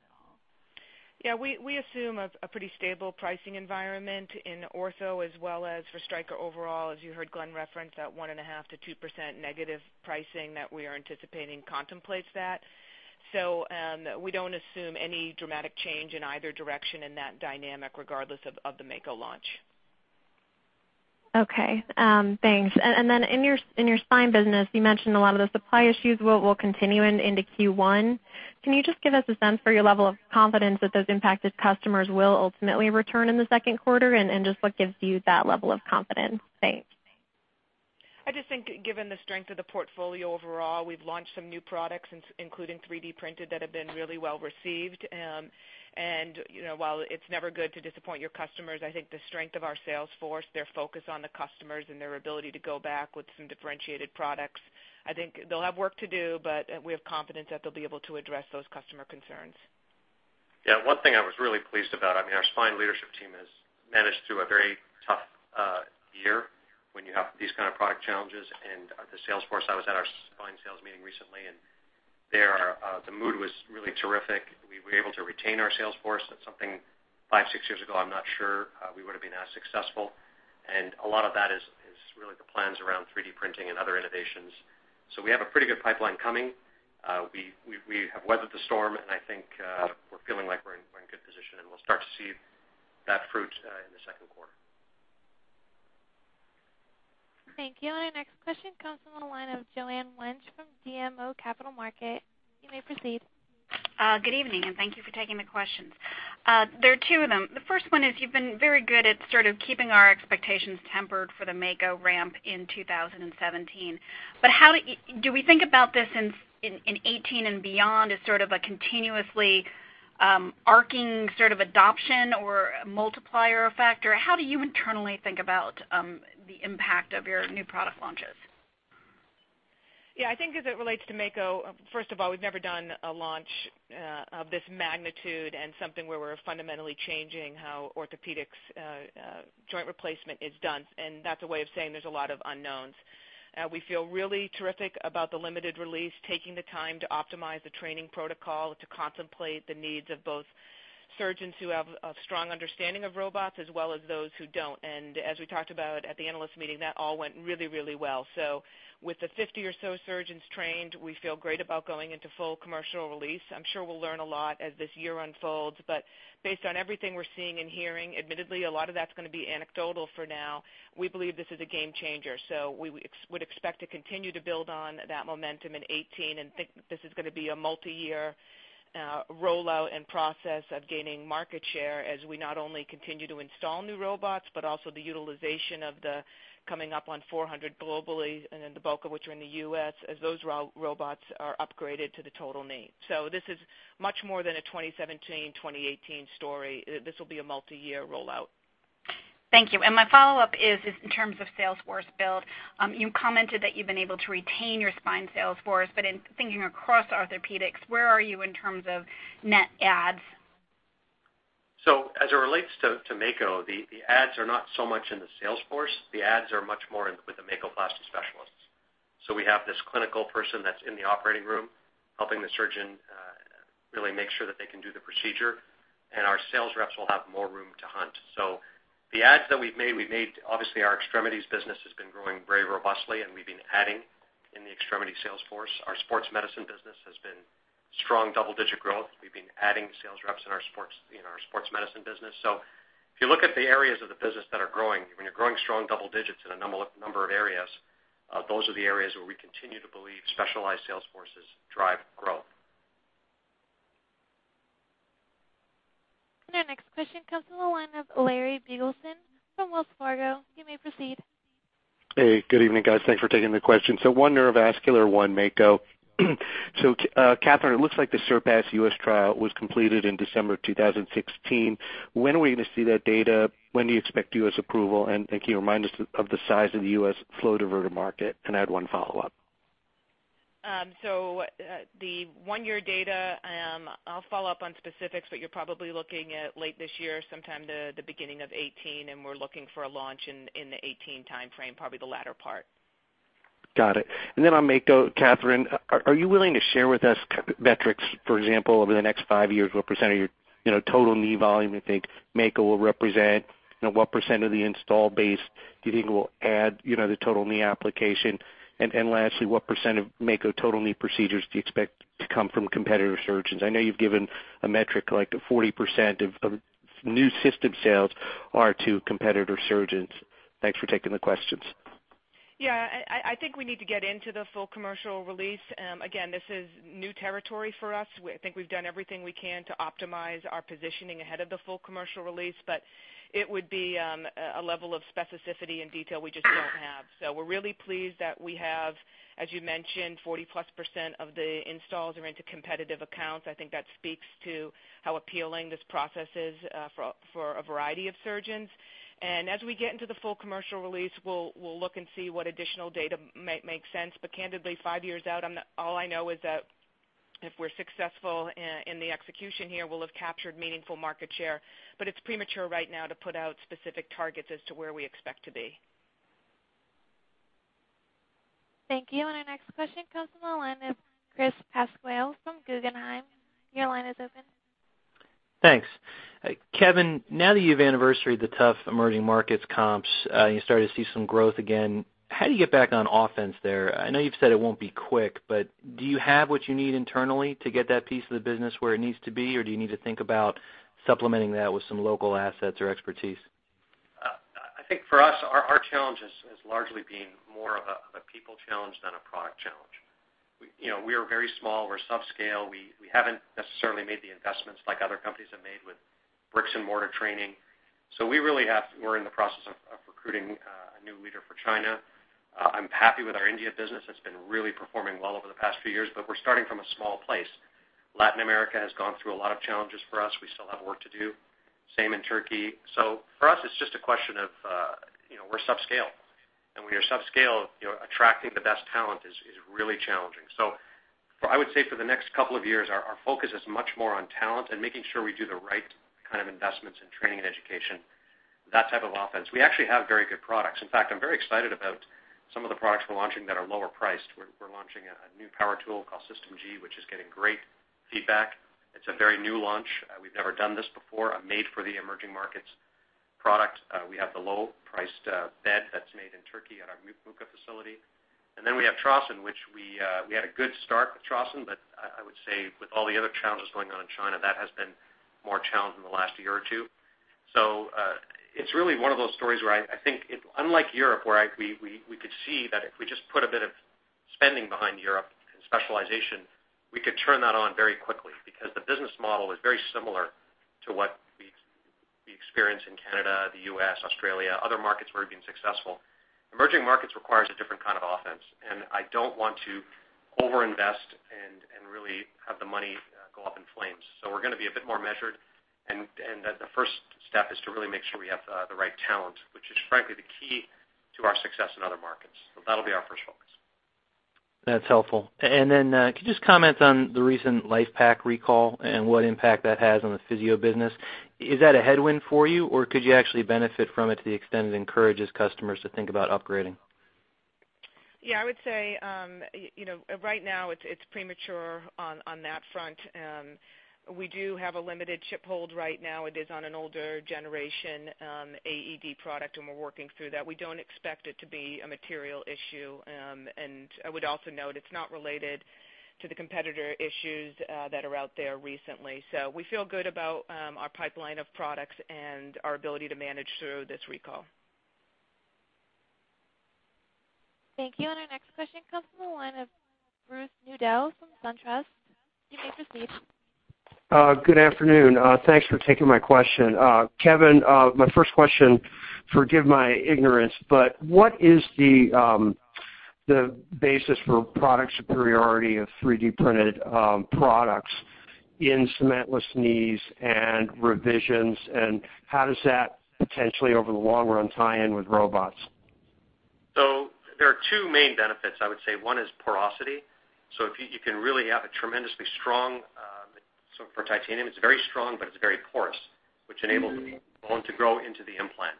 Speaker 3: Yeah, we assume a pretty stable pricing environment in ortho as well as for Stryker overall. As you heard Glenn reference, that 1.5%-2% negative pricing that we are anticipating contemplates that. We don't assume any dramatic change in either direction in that dynamic, regardless of the Mako launch.
Speaker 14: Okay. Thanks. In your spine business, you mentioned a lot of the supply issues will continue into Q1. Can you just give us a sense for your level of confidence that those impacted customers will ultimately return in the second quarter? And just what gives you that level of confidence? Thanks.
Speaker 3: I just think given the strength of the portfolio overall, we've launched some new products, including 3D printed, that have been really well received. While it's never good to disappoint your customers, I think the strength of our sales force, their focus on the customers, and their ability to go back with some differentiated products. I think they'll have work to do, but we have confidence that they'll be able to address those customer concerns.
Speaker 2: Yeah. One thing I was really pleased about, our spine leadership team has managed through a very tough year when you have these kind of product challenges and the sales force. The mood was really terrific. We were able to retain our sales force. That's something five, six years ago, I'm not sure we would have been as successful. A lot of that is really the plans around 3D printing and other innovations. We have a pretty good pipeline coming. We have weathered the storm, and I think we're feeling like we're in good position, and we'll start to see that fruit in the second quarter.
Speaker 1: Thank you. Our next question comes from the line of Joanne Lynch from BMO Capital Markets. You may proceed.
Speaker 15: Good evening. Thank you for taking the questions. There are two of them. The first one is you've been very good at sort of keeping our expectations tempered for the Mako ramp in 2017. Do we think about this in 2018 and beyond as sort of a continuously arcing sort of adoption or multiplier effect, or how do you internally think about the impact of your new product launches?
Speaker 3: Yeah, I think as it relates to Mako, first of all, we've never done a launch of this magnitude and something where we're fundamentally changing how orthopedics joint replacement is done. That's a way of saying there's a lot of unknowns. We feel really terrific about the limited release, taking the time to optimize the training protocol to contemplate the needs of both surgeons who have a strong understanding of robots as well as those who don't. As we talked about at the analyst meeting, that all went really well. With the 50 or so surgeons trained, we feel great about going into full commercial release. I'm sure we'll learn a lot as this year unfolds, but based on everything we're seeing and hearing, admittedly, a lot of that's going to be anecdotal for now. We believe this is a game changer. We would expect to continue to build on that momentum in 2018 and think this is going to be a multi-year rollout and process of gaining market share as we not only continue to install new robots, but also the utilization of the coming up on 400 globally, and then the bulk of which are in the U.S., as those robots are upgraded to the total knee. This is much more than a 2017, 2018 story. This will be a multi-year rollout.
Speaker 15: Thank you. My follow-up is in terms of sales force build. You commented that you've been able to retain your spine sales force, but in thinking across orthopedics, where are you in terms of net adds?
Speaker 2: As it relates to Mako, the adds are not so much in the sales force. The adds are much more with the Makoplasty specialists. We have this clinical person that's in the operating room helping the surgeon really make sure that they can do the procedure, and our sales reps will have more room to hunt. The adds that we've made, obviously, our extremities business has been growing very robustly, and we've been adding in the extremity sales force. Our sports medicine business has been strong double-digit growth. We've been adding sales reps in our sports medicine business. If you look at the areas of the business that are growing, when you're growing strong double digits in a number of areas, those are the areas where we continue to believe specialized sales forces drive growth.
Speaker 1: Our next question comes from the line of Larry Biegelsen from Wells Fargo. You may proceed.
Speaker 16: Hey, good evening, guys. Thanks for taking the questions. One neurovascular, one Mako. Katherine, it looks like the Surpass U.S. trial was completed in December 2016. When are we going to see that data? When do you expect U.S. approval? Can you remind us of the size of the U.S. flow diverter market? I had one follow-up.
Speaker 3: The one-year data, I'll follow up on specifics, but you're probably looking at late this year, sometime the beginning of 2018, and we're looking for a launch in the 2018 timeframe, probably the latter part.
Speaker 16: Got it. Then on Mako, Katherine, are you willing to share with us metrics, for example, over the next 5 years, what percent of your total knee volume you think Mako will represent? What percent of the install base do you think will add the total knee application? Lastly, what percent of Mako total knee procedures do you expect to come from competitor surgeons? I know you've given a metric, like the 40% of new system sales are to competitor surgeons. Thanks for taking the questions.
Speaker 3: I think we need to get into the full commercial release. Again, this is new territory for us. I think we've done everything we can to optimize our positioning ahead of the full commercial release, but it would be a level of specificity and detail we just don't have. We're really pleased that we have, as you mentioned, 40+% of the installs are into competitive accounts. I think that speaks to how appealing this process is for a variety of surgeons. As we get into the full commercial release, we'll look and see what additional data makes sense. Candidly, 5 years out, all I know is that if we're successful in the execution here, we'll have captured meaningful market share. It's premature right now to put out specific targets as to where we expect to be.
Speaker 1: Thank you. Our next question comes from the line of Chris Pasquale from Guggenheim. Your line is open.
Speaker 17: Thanks. Kevin, now that you've anniversaried the tough emerging markets comps, you're starting to see some growth again. How do you get back on offense there? I know you've said it won't be quick, but do you have what you need internally to get that piece of the business where it needs to be, or do you need to think about supplementing that with some local assets or expertise?
Speaker 2: I think for us, our challenge has largely been more of a people challenge than a product challenge. We are very small. We're subscale. We haven't necessarily made the investments like other companies have made with bricks and mortar training. We're in the process of recruiting a new leader for China. I'm happy with our India business. It's been really performing well over the past few years, but we're starting from a small place. Latin America has gone through a lot of challenges for us. We still have work to do. Same in Turkey. For us, it's just a question of we're subscale, and when you're subscale, attracting the best talent is really challenging. I would say for the next couple of years, our focus is much more on talent and making sure we do the right kind of investments in training and education, that type of offense. We actually have very good products. In fact, I'm very excited about some of the products we're launching that are lower priced. We're launching a new power tool called System 8, which is getting great feedback. It's a very new launch. We've never done this before, a made for the emerging markets product. We have the low-priced bed that's made in Turkey at our Buca facility. We have Trauson, which we had a good start with Trauson, but I would say with all the other challenges going on in China, that has been more challenged in the last year or two. It's really one of those stories where I think unlike Europe, where we could see that if we just put a bit of spending behind Europe and specialization, we could turn that on very quickly because the business model is very similar to what we experience in Canada, the U.S., Australia, other markets where we've been successful. Emerging markets requires a different kind of offense, I don't want to over-invest and really have the money go up in flames. We're going to be a bit more measured, and the first step is to really make sure we have the right talent, which is frankly the key to our success in other markets. That'll be our first focus.
Speaker 17: That's helpful. Could you just comment on the recent LIFEPAK recall and what impact that has on the Physio business? Is that a headwind for you, or could you actually benefit from it to the extent it encourages customers to think about upgrading?
Speaker 3: I would say right now it's premature on that front. We do have a limited chip hold right now. It is on an older generation AED product, we're working through that. We don't expect it to be a material issue, I would also note it's not related to the competitor issues that are out there recently. We feel good about our pipeline of products and our ability to manage through this recall.
Speaker 1: Thank you. Our next question comes from the line of Bruce Nudell from SunTrust. You may proceed.
Speaker 18: Good afternoon. Thanks for taking my question. Kevin, my first question, forgive my ignorance, but what is the The basis for product superiority of 3D printed products in cementless knees and revisions, and how does that potentially over the long run tie in with robots?
Speaker 2: There are two main benefits I would say. One is porosity. For titanium, it's very strong, but it's very porous, which enables the bone to grow into the implant.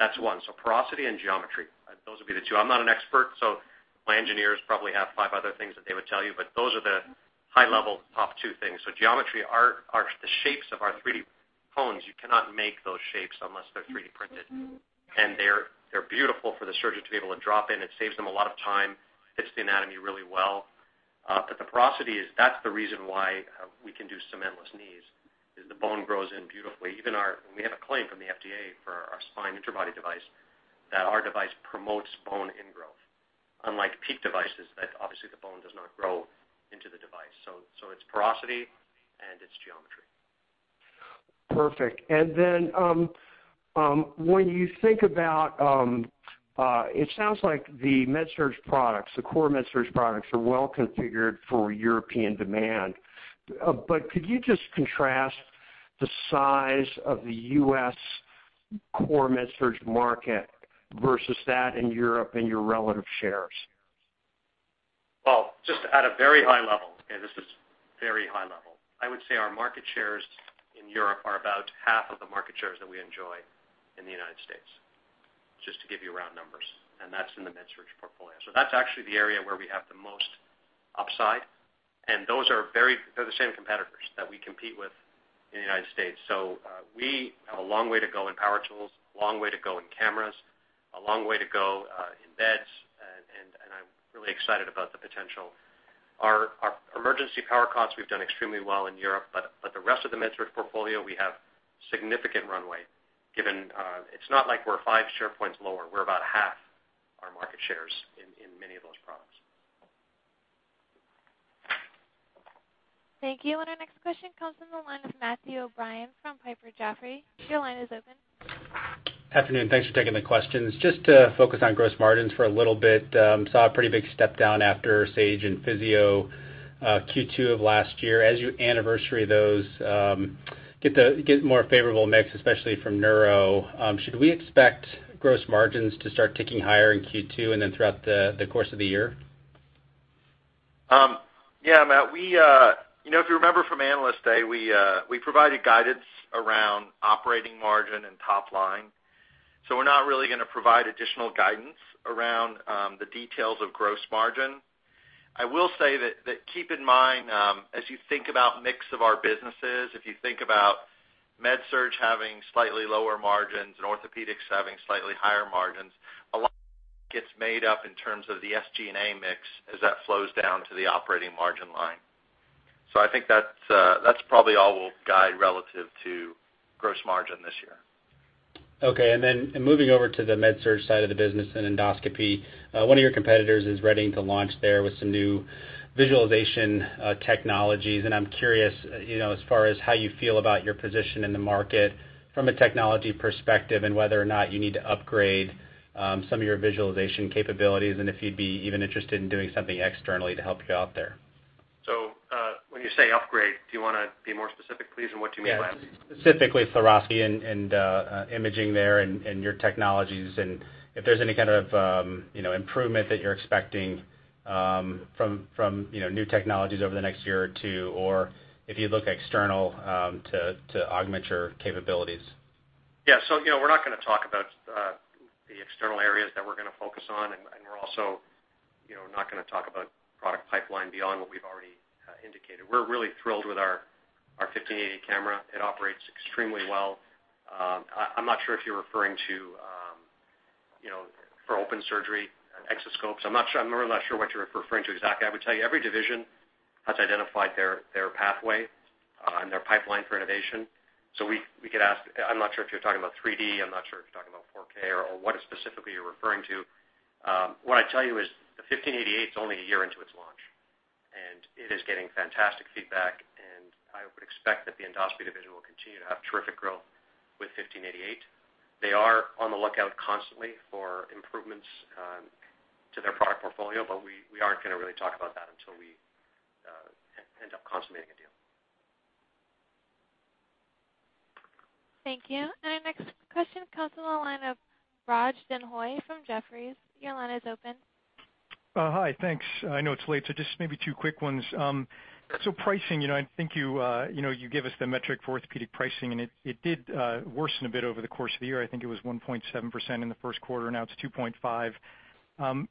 Speaker 2: That's one. Porosity and geometry, those would be the two. I'm not an expert, so my engineers probably have five other things that they would tell you, but those are the high level top two things. Geometry are the shapes of our 3D bones. You cannot make those shapes unless they're 3D printed. They're beautiful for the surgeon to be able to drop in. It saves them a lot of time, fits the anatomy really well. The porosity is, that's the reason why we can do cementless knees, is the bone grows in beautifully. We have a claim from the FDA for our spine interbody device that our device promotes bone ingrowth, unlike PEEK devices that obviously the bone does not grow into the device. It's porosity and its geometry.
Speaker 18: Perfect. Then, when you think about, it sounds like the MedSurg products, the core MedSurg products are well configured for European demand. Could you just contrast the size of the U.S. core MedSurg market versus that in Europe and your relative shares?
Speaker 2: Well, just at a very high level, okay, this is very high level, I would say our market shares in Europe are about half of the market shares that we enjoy in the U.S., just to give you round numbers, and that's in the MedSurg portfolio. That's actually the area where we have the most upside, and those are the same competitors that we compete with in the U.S. We have a long way to go in power tools, long way to go in cameras, a long way to go in beds, and I'm really excited about the potential. Our emergency power cots, we've done extremely well in Europe, but the rest of the MedSurg portfolio, we have significant runway given it's not like we're five share points lower. We're about half our market shares in many of those products.
Speaker 1: Thank you. Our next question comes from the line of Matthew O'Brien from Piper Jaffray. Your line is open.
Speaker 19: Afternoon. Thanks for taking the questions. Just to focus on gross margins for a little bit, saw a pretty big step down after Sage and Physio-Control Q2 of last year. As you anniversary those, get more favorable mix, especially from neuro, should we expect gross margins to start ticking higher in Q2 and then throughout the course of the year?
Speaker 4: Yeah, Matt, if you remember from Analyst Day, we provided guidance around operating margin and top line. We're not really going to provide additional guidance around the details of gross margin. I will say that, keep in mind, as you think about mix of our businesses, if you think about MedSurg having slightly lower margins and orthopedics having slightly higher margins, a lot gets made up in terms of the SG&A mix as that flows down to the operating margin line. I think that's probably all we'll guide relative to gross margin this year.
Speaker 19: Okay, moving over to the MedSurg side of the business and endoscopy, one of your competitors is readying to launch there with some new visualization technologies, I'm curious as far as how you feel about your position in the market from a technology perspective and whether or not you need to upgrade some of your visualization capabilities and if you'd be even interested in doing something externally to help you out there.
Speaker 2: When you say upgrade, do you want to be more specific, please, on what you mean by that?
Speaker 19: Yeah. Specifically, thoracoscopic and imaging there and your technologies, and if there's any kind of improvement that you're expecting from new technologies over the next year or two, or if you'd look external to augment your capabilities.
Speaker 2: Yeah. We're not going to talk about the external areas that we're going to focus on, and we're also not going to talk about product pipeline beyond what we've already indicated. We're really thrilled with our 1588 camera. It operates extremely well. I'm not sure if you're referring to for open surgery, exoscopes. I'm really not sure what you're referring to exactly. I would tell you every division has identified their pathway and their pipeline for innovation. We could ask, I'm not sure if you're talking about 3D, I'm not sure if you're talking about 4K or what specifically you're referring to. What I'd tell you is the 1588's only a year into its launch, and it is getting fantastic feedback, and I would expect that the endoscopy division will continue to have terrific growth with 1588. They are on the lookout constantly for improvements to their product portfolio, but we aren't going to really talk about that until we end up consummating a deal.
Speaker 1: Thank you. Our next question comes from the line of Raj Denhoy from Jefferies. Your line is open.
Speaker 20: Hi, thanks. I know it's late, just maybe two quick ones. Pricing, I think you gave us the metric for orthopedic pricing, and it did worsen a bit over the course of the year. I think it was 1.7% in the first quarter, now it's 2.5%.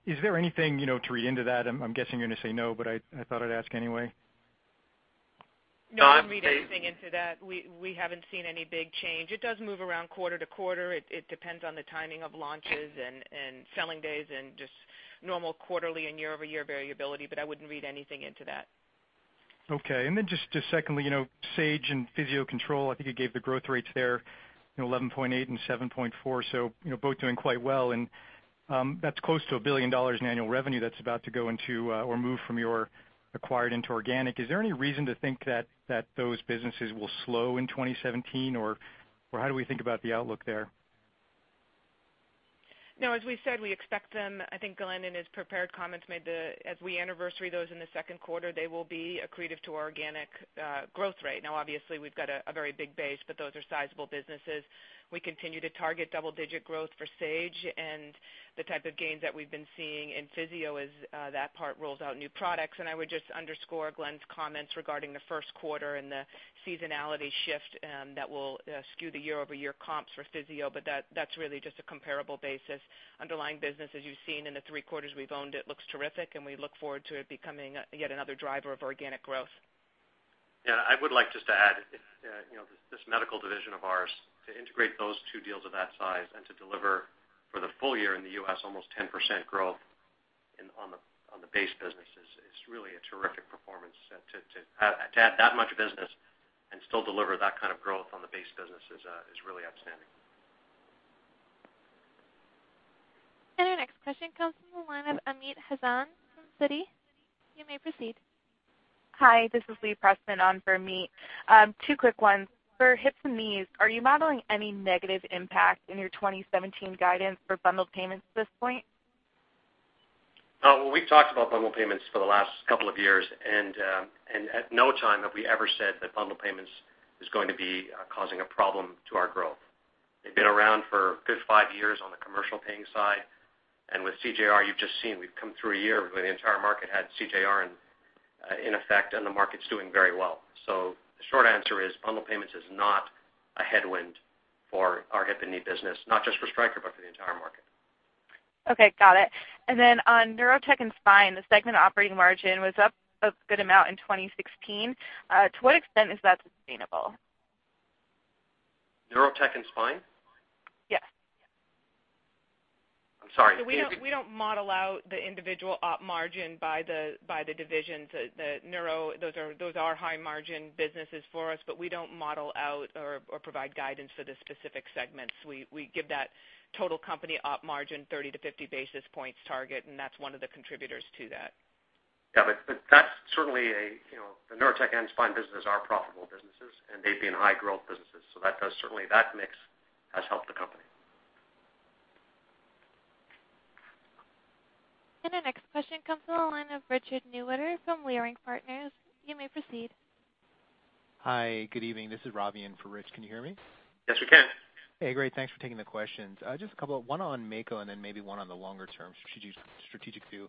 Speaker 20: Is there anything to read into that? I'm guessing you're going to say no, but I thought I'd ask anyway.
Speaker 3: No, I'm saying- No, I wouldn't read anything into that. We haven't seen any big change. It does move around quarter to quarter. It depends on the timing of launches and selling days and just normal quarterly and year-over-year variability, but I wouldn't read anything into that.
Speaker 20: Okay, just secondly, Sage and Physio-Control, I think you gave the growth rates there, 11.8% and 7.4%, both doing quite well, and that's close to $1 billion in annual revenue that's about to go into or move from your acquired into organic. Is there any reason to think that those businesses will slow in 2017, or how do we think about the outlook there?
Speaker 3: No, as we said, we expect them, I think Glenn in his prepared comments made the, as we anniversary those in the second quarter, they will be accretive to our organic growth rate. Obviously, we've got a very big base, but those are sizable businesses. We continue to target double-digit growth for Sage and the type of gains that we've been seeing in Physio-Control as that part rolls out new products. I would just underscore Glenn's comments regarding the first quarter and the seasonality shift that will skew the year-over-year comps for Physio-Control, but that's really just a comparable basis. Underlying business, as you've seen in the three quarters we've owned it, looks terrific, and we look forward to it becoming yet another driver of organic growth.
Speaker 2: I would like just to add, this medical division of ours, to integrate those two deals of that size and to deliver for the full year in the U.S. almost 10% growth on the base business is really a terrific performance. To add that much business and still deliver that kind of growth on the base business is really outstanding.
Speaker 1: Our next question comes from the line of Amit Hazan from Citi. You may proceed.
Speaker 21: Hi, this is Leigh Prestman on for Amit. Two quick ones. For hips and knees, are you modeling any negative impact in your 2017 guidance for bundled payments at this point?
Speaker 2: We've talked about bundled payments for the last couple of years, at no time have we ever said that bundled payments is going to be causing a problem to our growth. They've been around for a good five years on the commercial paying side. With CJR, you've just seen, we've come through a year where the entire market had CJR in effect, and the market's doing very well. The short answer is, bundled payments is not a headwind for our hip and knee business, not just for Stryker, but for the entire market.
Speaker 21: Okay, got it. Then on Neurotechnology and Spine, the segment operating margin was up a good amount in 2016. To what extent is that sustainable?
Speaker 2: Neurotechnology and Spine?
Speaker 21: Yes.
Speaker 4: I'm sorry.
Speaker 3: We don't model out the individual op margin by the divisions. The Neuro, those are high margin businesses for us, but we don't model out or provide guidance for the specific segments. We give that total company op margin 30-50 basis points target, and that's one of the contributors to that.
Speaker 2: The Neurotech and Spine businesses are profitable businesses, and they've been high growth businesses. Certainly that mix has helped the company.
Speaker 1: Our next question comes from the line of Richard Newitter from Leerink Partners. You may proceed.
Speaker 22: Hi, good evening. This is Ravi in for Rich. Can you hear me?
Speaker 2: Yes, we can.
Speaker 22: Hey, great. Thanks for taking the questions. Just a couple. One on Mako and then maybe one on the longer-term strategic view.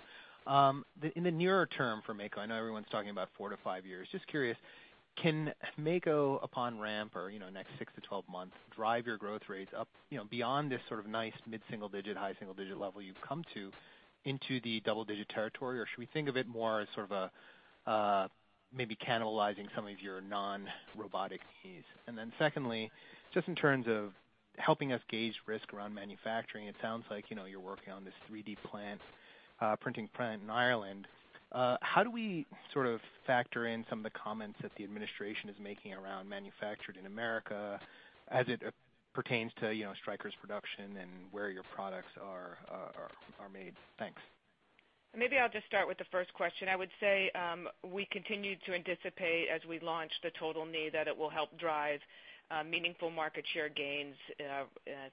Speaker 22: In the nearer term for Mako, I know everyone's talking about four to five years. Just curious, can Mako upon ramp or next 6 to 12 months drive your growth rates up beyond this sort of nice mid-single digit, high-single digit level you've come to into the double-digit territory? Or should we think of it more as sort of maybe cannibalizing some of your non-robotic knees? Secondly, just in terms of helping us gauge risk around manufacturing, it sounds like you're working on this 3D printing plant in Ireland. How do we sort of factor in some of the comments that the administration is making around manufactured in America as it pertains to Stryker's production and where your products are made? Thanks.
Speaker 3: Maybe I'll just start with the first question. I would say we continue to anticipate as we launch the total knee that it will help drive meaningful market share gains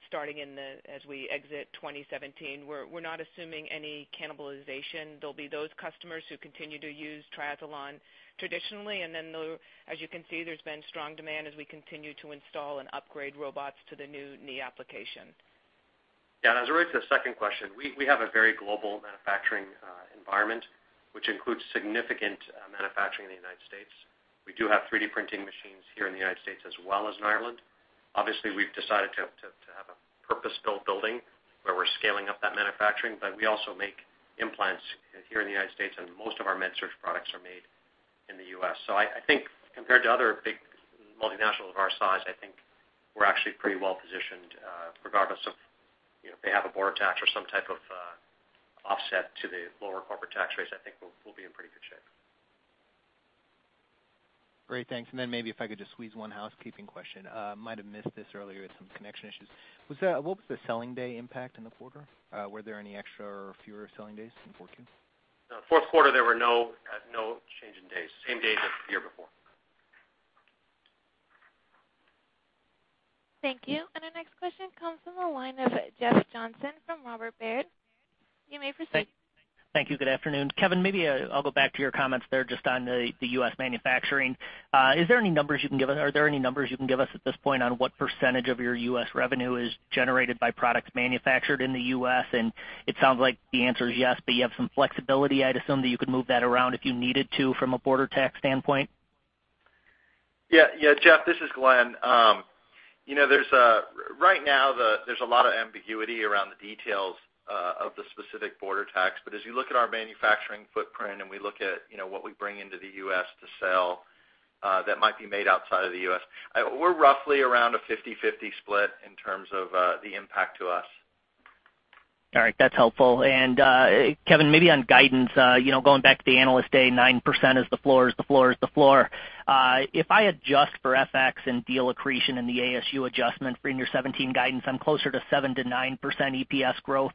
Speaker 3: starting as we exit 2017. We're not assuming any cannibalization. There'll be those customers who continue to use Triathlon traditionally, then as you can see, there's been strong demand as we continue to install and upgrade robots to the new knee application.
Speaker 2: As it relates to the second question, we have a very global manufacturing environment, which includes significant manufacturing in the U.S. We do have 3D printing machines here in the U.S. as well as in Ireland. Obviously, we've decided to have a purpose-built building where we're scaling up that manufacturing, but we also make implants here in the U.S., and most of our med surg products are made in the U.S. I think compared to other big multinationals of our size, I think we're actually pretty well-positioned regardless of if they have a border tax or some type of offset to the lower corporate tax rates, I think we'll be in pretty good shape.
Speaker 22: Great, thanks. Then maybe if I could just squeeze one housekeeping question. Might have missed this earlier, had some connection issues. What was the selling day impact in the quarter? Were there any extra or fewer selling days in Q4?
Speaker 2: No, fourth quarter, there were no change in days. Same days as the year before.
Speaker 1: Thank you. Our next question comes from the line of Jeff Johnson from Robert W. Baird. You may proceed.
Speaker 23: Thank you. Good afternoon. Kevin, maybe I'll go back to your comments there just on the U.S. manufacturing. Are there any numbers you can give us at this point on what % of your U.S. revenue is generated by products manufactured in the U.S.? It sounds like the answer is yes, but you have some flexibility, I'd assume, that you could move that around if you needed to from a border tax standpoint?
Speaker 4: Jeff, this is Glenn. Right now, there's a lot of ambiguity around the details of the specific border tax. As you look at our manufacturing footprint and we look at what we bring into the U.S. to sell that might be made outside of the U.S., we're roughly around a 50/50 split in terms of the impact to us.
Speaker 23: All right. That's helpful. Kevin, maybe on guidance, going back to the Analyst Day, 9% is the floor, is the floor, is the floor. If I adjust for FX and deal accretion and the ASU adjustment for in your 2017 guidance, I'm closer to 7%-9% EPS growth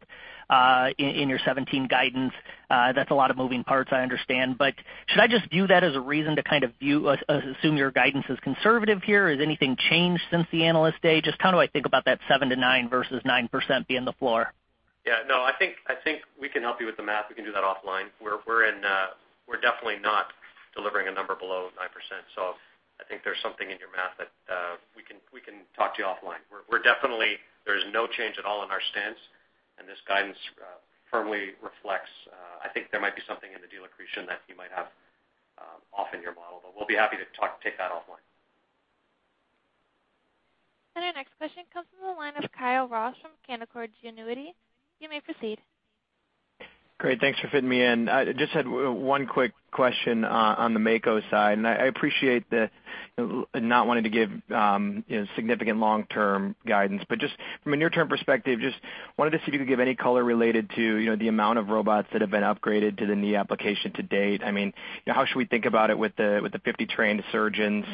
Speaker 23: In your 2017 guidance, that's a lot of moving parts, I understand. Should I just view that as a reason to assume your guidance is conservative here? Has anything changed since the Analyst Day? Just how do I think about that seven to nine versus 9% being the floor?
Speaker 2: Yeah. No, I think we can help you with the math. We can do that offline. We're definitely not delivering a number below 9%, so I think there's something in your math that we can talk to you offline. There is no change at all in our stance, and this guidance firmly reflects I think there might be something in the deal accretion that you might have off in your model, but we'll be happy to take that offline.
Speaker 1: Our next question comes from the line of Kyle Rose from Canaccord Genuity. You may proceed.
Speaker 24: Great, thanks for fitting me in. I just had one quick question on the Mako side. I appreciate not wanting to give significant long-term guidance, but just from a near-term perspective, just wanted to see if you could give any color related to the amount of robots that have been upgraded to the knee application to date. How should we think about it with the 50 trained surgeons?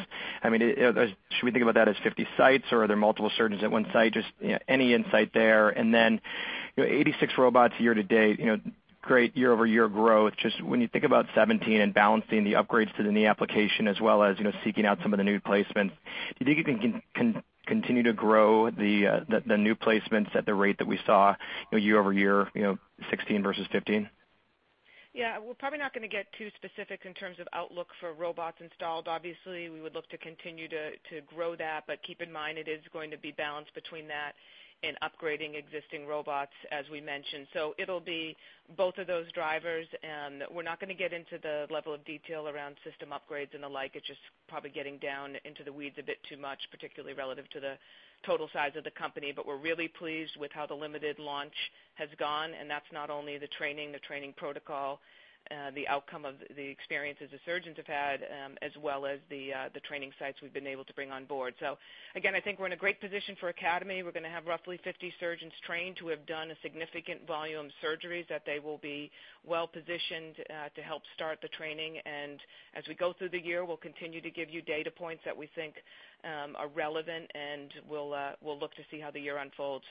Speaker 24: Should we think about that as 50 sites, or are there multiple surgeons at one site? Just any insight there. 86 robots year-to-date, great year-over-year growth. Just when you think about 2017 and balancing the upgrades to the knee application as well as seeking out some of the new placements, do you think you can continue to grow the new placements at the rate that we saw year-over-year, 2016 versus 2015?
Speaker 3: We're probably not going to get too specific in terms of outlook for robots installed. Obviously, we would look to continue to grow that, but keep in mind it is going to be balanced between that and upgrading existing robots, as we mentioned. It'll be both of those drivers. We're not going to get into the level of detail around system upgrades and the like. It's just probably getting down into the weeds a bit too much, particularly relative to the total size of the company. We're really pleased with how the limited launch has gone. That's not only the training, the training protocol, the outcome of the experiences the surgeons have had, as well as the training sites we've been able to bring on board. I think we're in a great position for Academy. We're going to have roughly 50 surgeons trained who have done a significant volume of surgeries that they will be well-positioned to help start the training. As we go through the year, we'll continue to give you data points that we think are relevant, and we'll look to see how the year unfolds.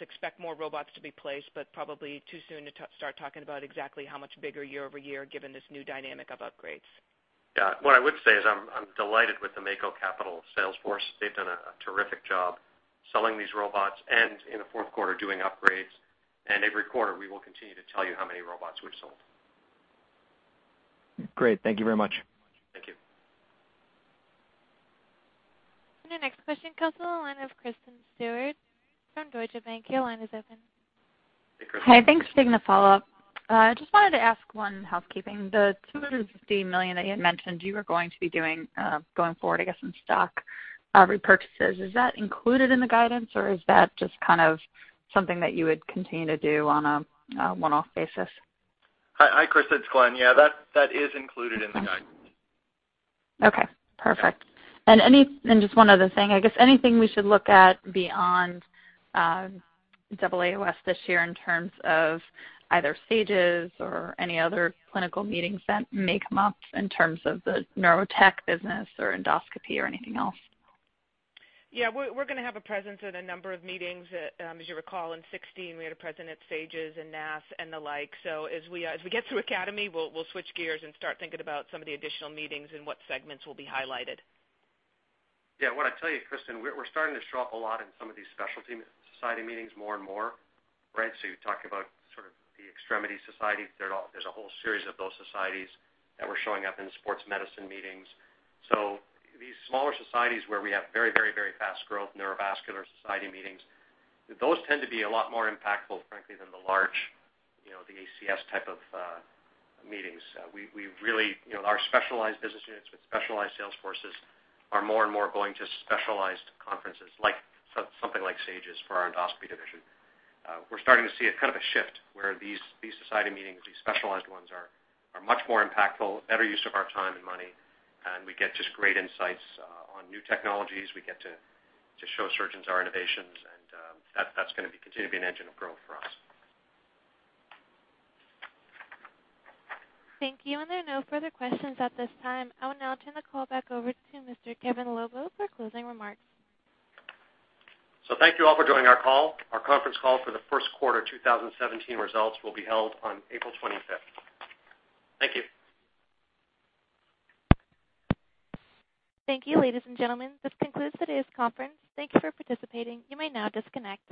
Speaker 3: Expect more robots to be placed, but probably too soon to start talking about exactly how much bigger year-over-year, given this new dynamic of upgrades.
Speaker 2: What I would say is I'm delighted with the Mako Capital sales force. They've done a terrific job selling these robots and in the fourth quarter, doing upgrades. Every quarter, we will continue to tell you how many robots we've sold.
Speaker 24: Great. Thank you very much.
Speaker 2: Thank you.
Speaker 1: Our next question comes from the line of Kristen Stewart from Deutsche Bank. Your line is open.
Speaker 2: Hey, Kristen.
Speaker 6: Hi. Thanks. Just taking a follow-up. Just wanted to ask one housekeeping. The $250 million that you had mentioned you were going to be doing going forward, I guess, in stock repurchases. Is that included in the guidance, or is that just something that you would continue to do on a one-off basis?
Speaker 4: Hi, Kristen. It's Glenn. Yeah, that is included in the guidance.
Speaker 6: Okay, perfect. Just one other thing, I guess anything we should look at beyond AAOS this year in terms of either SAGES or any other clinical meetings that may come up in terms of the neurotech business or endoscopy or anything else?
Speaker 3: Yeah, we're going to have a presence at a number of meetings. As you recall, in 2016, we had a presence at SAGES and NASS and the like. As we get through Academy, we'll switch gears and start thinking about some of the additional meetings and what segments will be highlighted.
Speaker 2: What I'd tell you, Kristen, we're starting to show up a lot in some of these specialty society meetings more and more, right. You talk about sort of the extremity societies. There's a whole series of those societies that we're showing up in sports medicine meetings. These smaller societies where we have very fast growth, Neurovascular society meetings, those tend to be a lot more impactful, frankly, than the large, the ACS type of meetings. Our specialized business units with specialized sales forces are more and more going to specialized conferences, something like SAGES for our endoscopy division. We're starting to see kind of a shift where these society meetings, these specialized ones, are much more impactful, better use of our time and money, and we get just great insights on new technologies. We get to show surgeons our innovations, and that's going to continue to be an engine of growth for us.
Speaker 1: Thank you. There are no further questions at this time. I will now turn the call back over to Mr. Kevin Lobo for closing remarks.
Speaker 2: Thank you all for joining our call. Our conference call for the first quarter 2017 results will be held on April 25th. Thank you.
Speaker 1: Thank you, ladies and gentlemen. This concludes today's conference. Thank you for participating. You may now disconnect.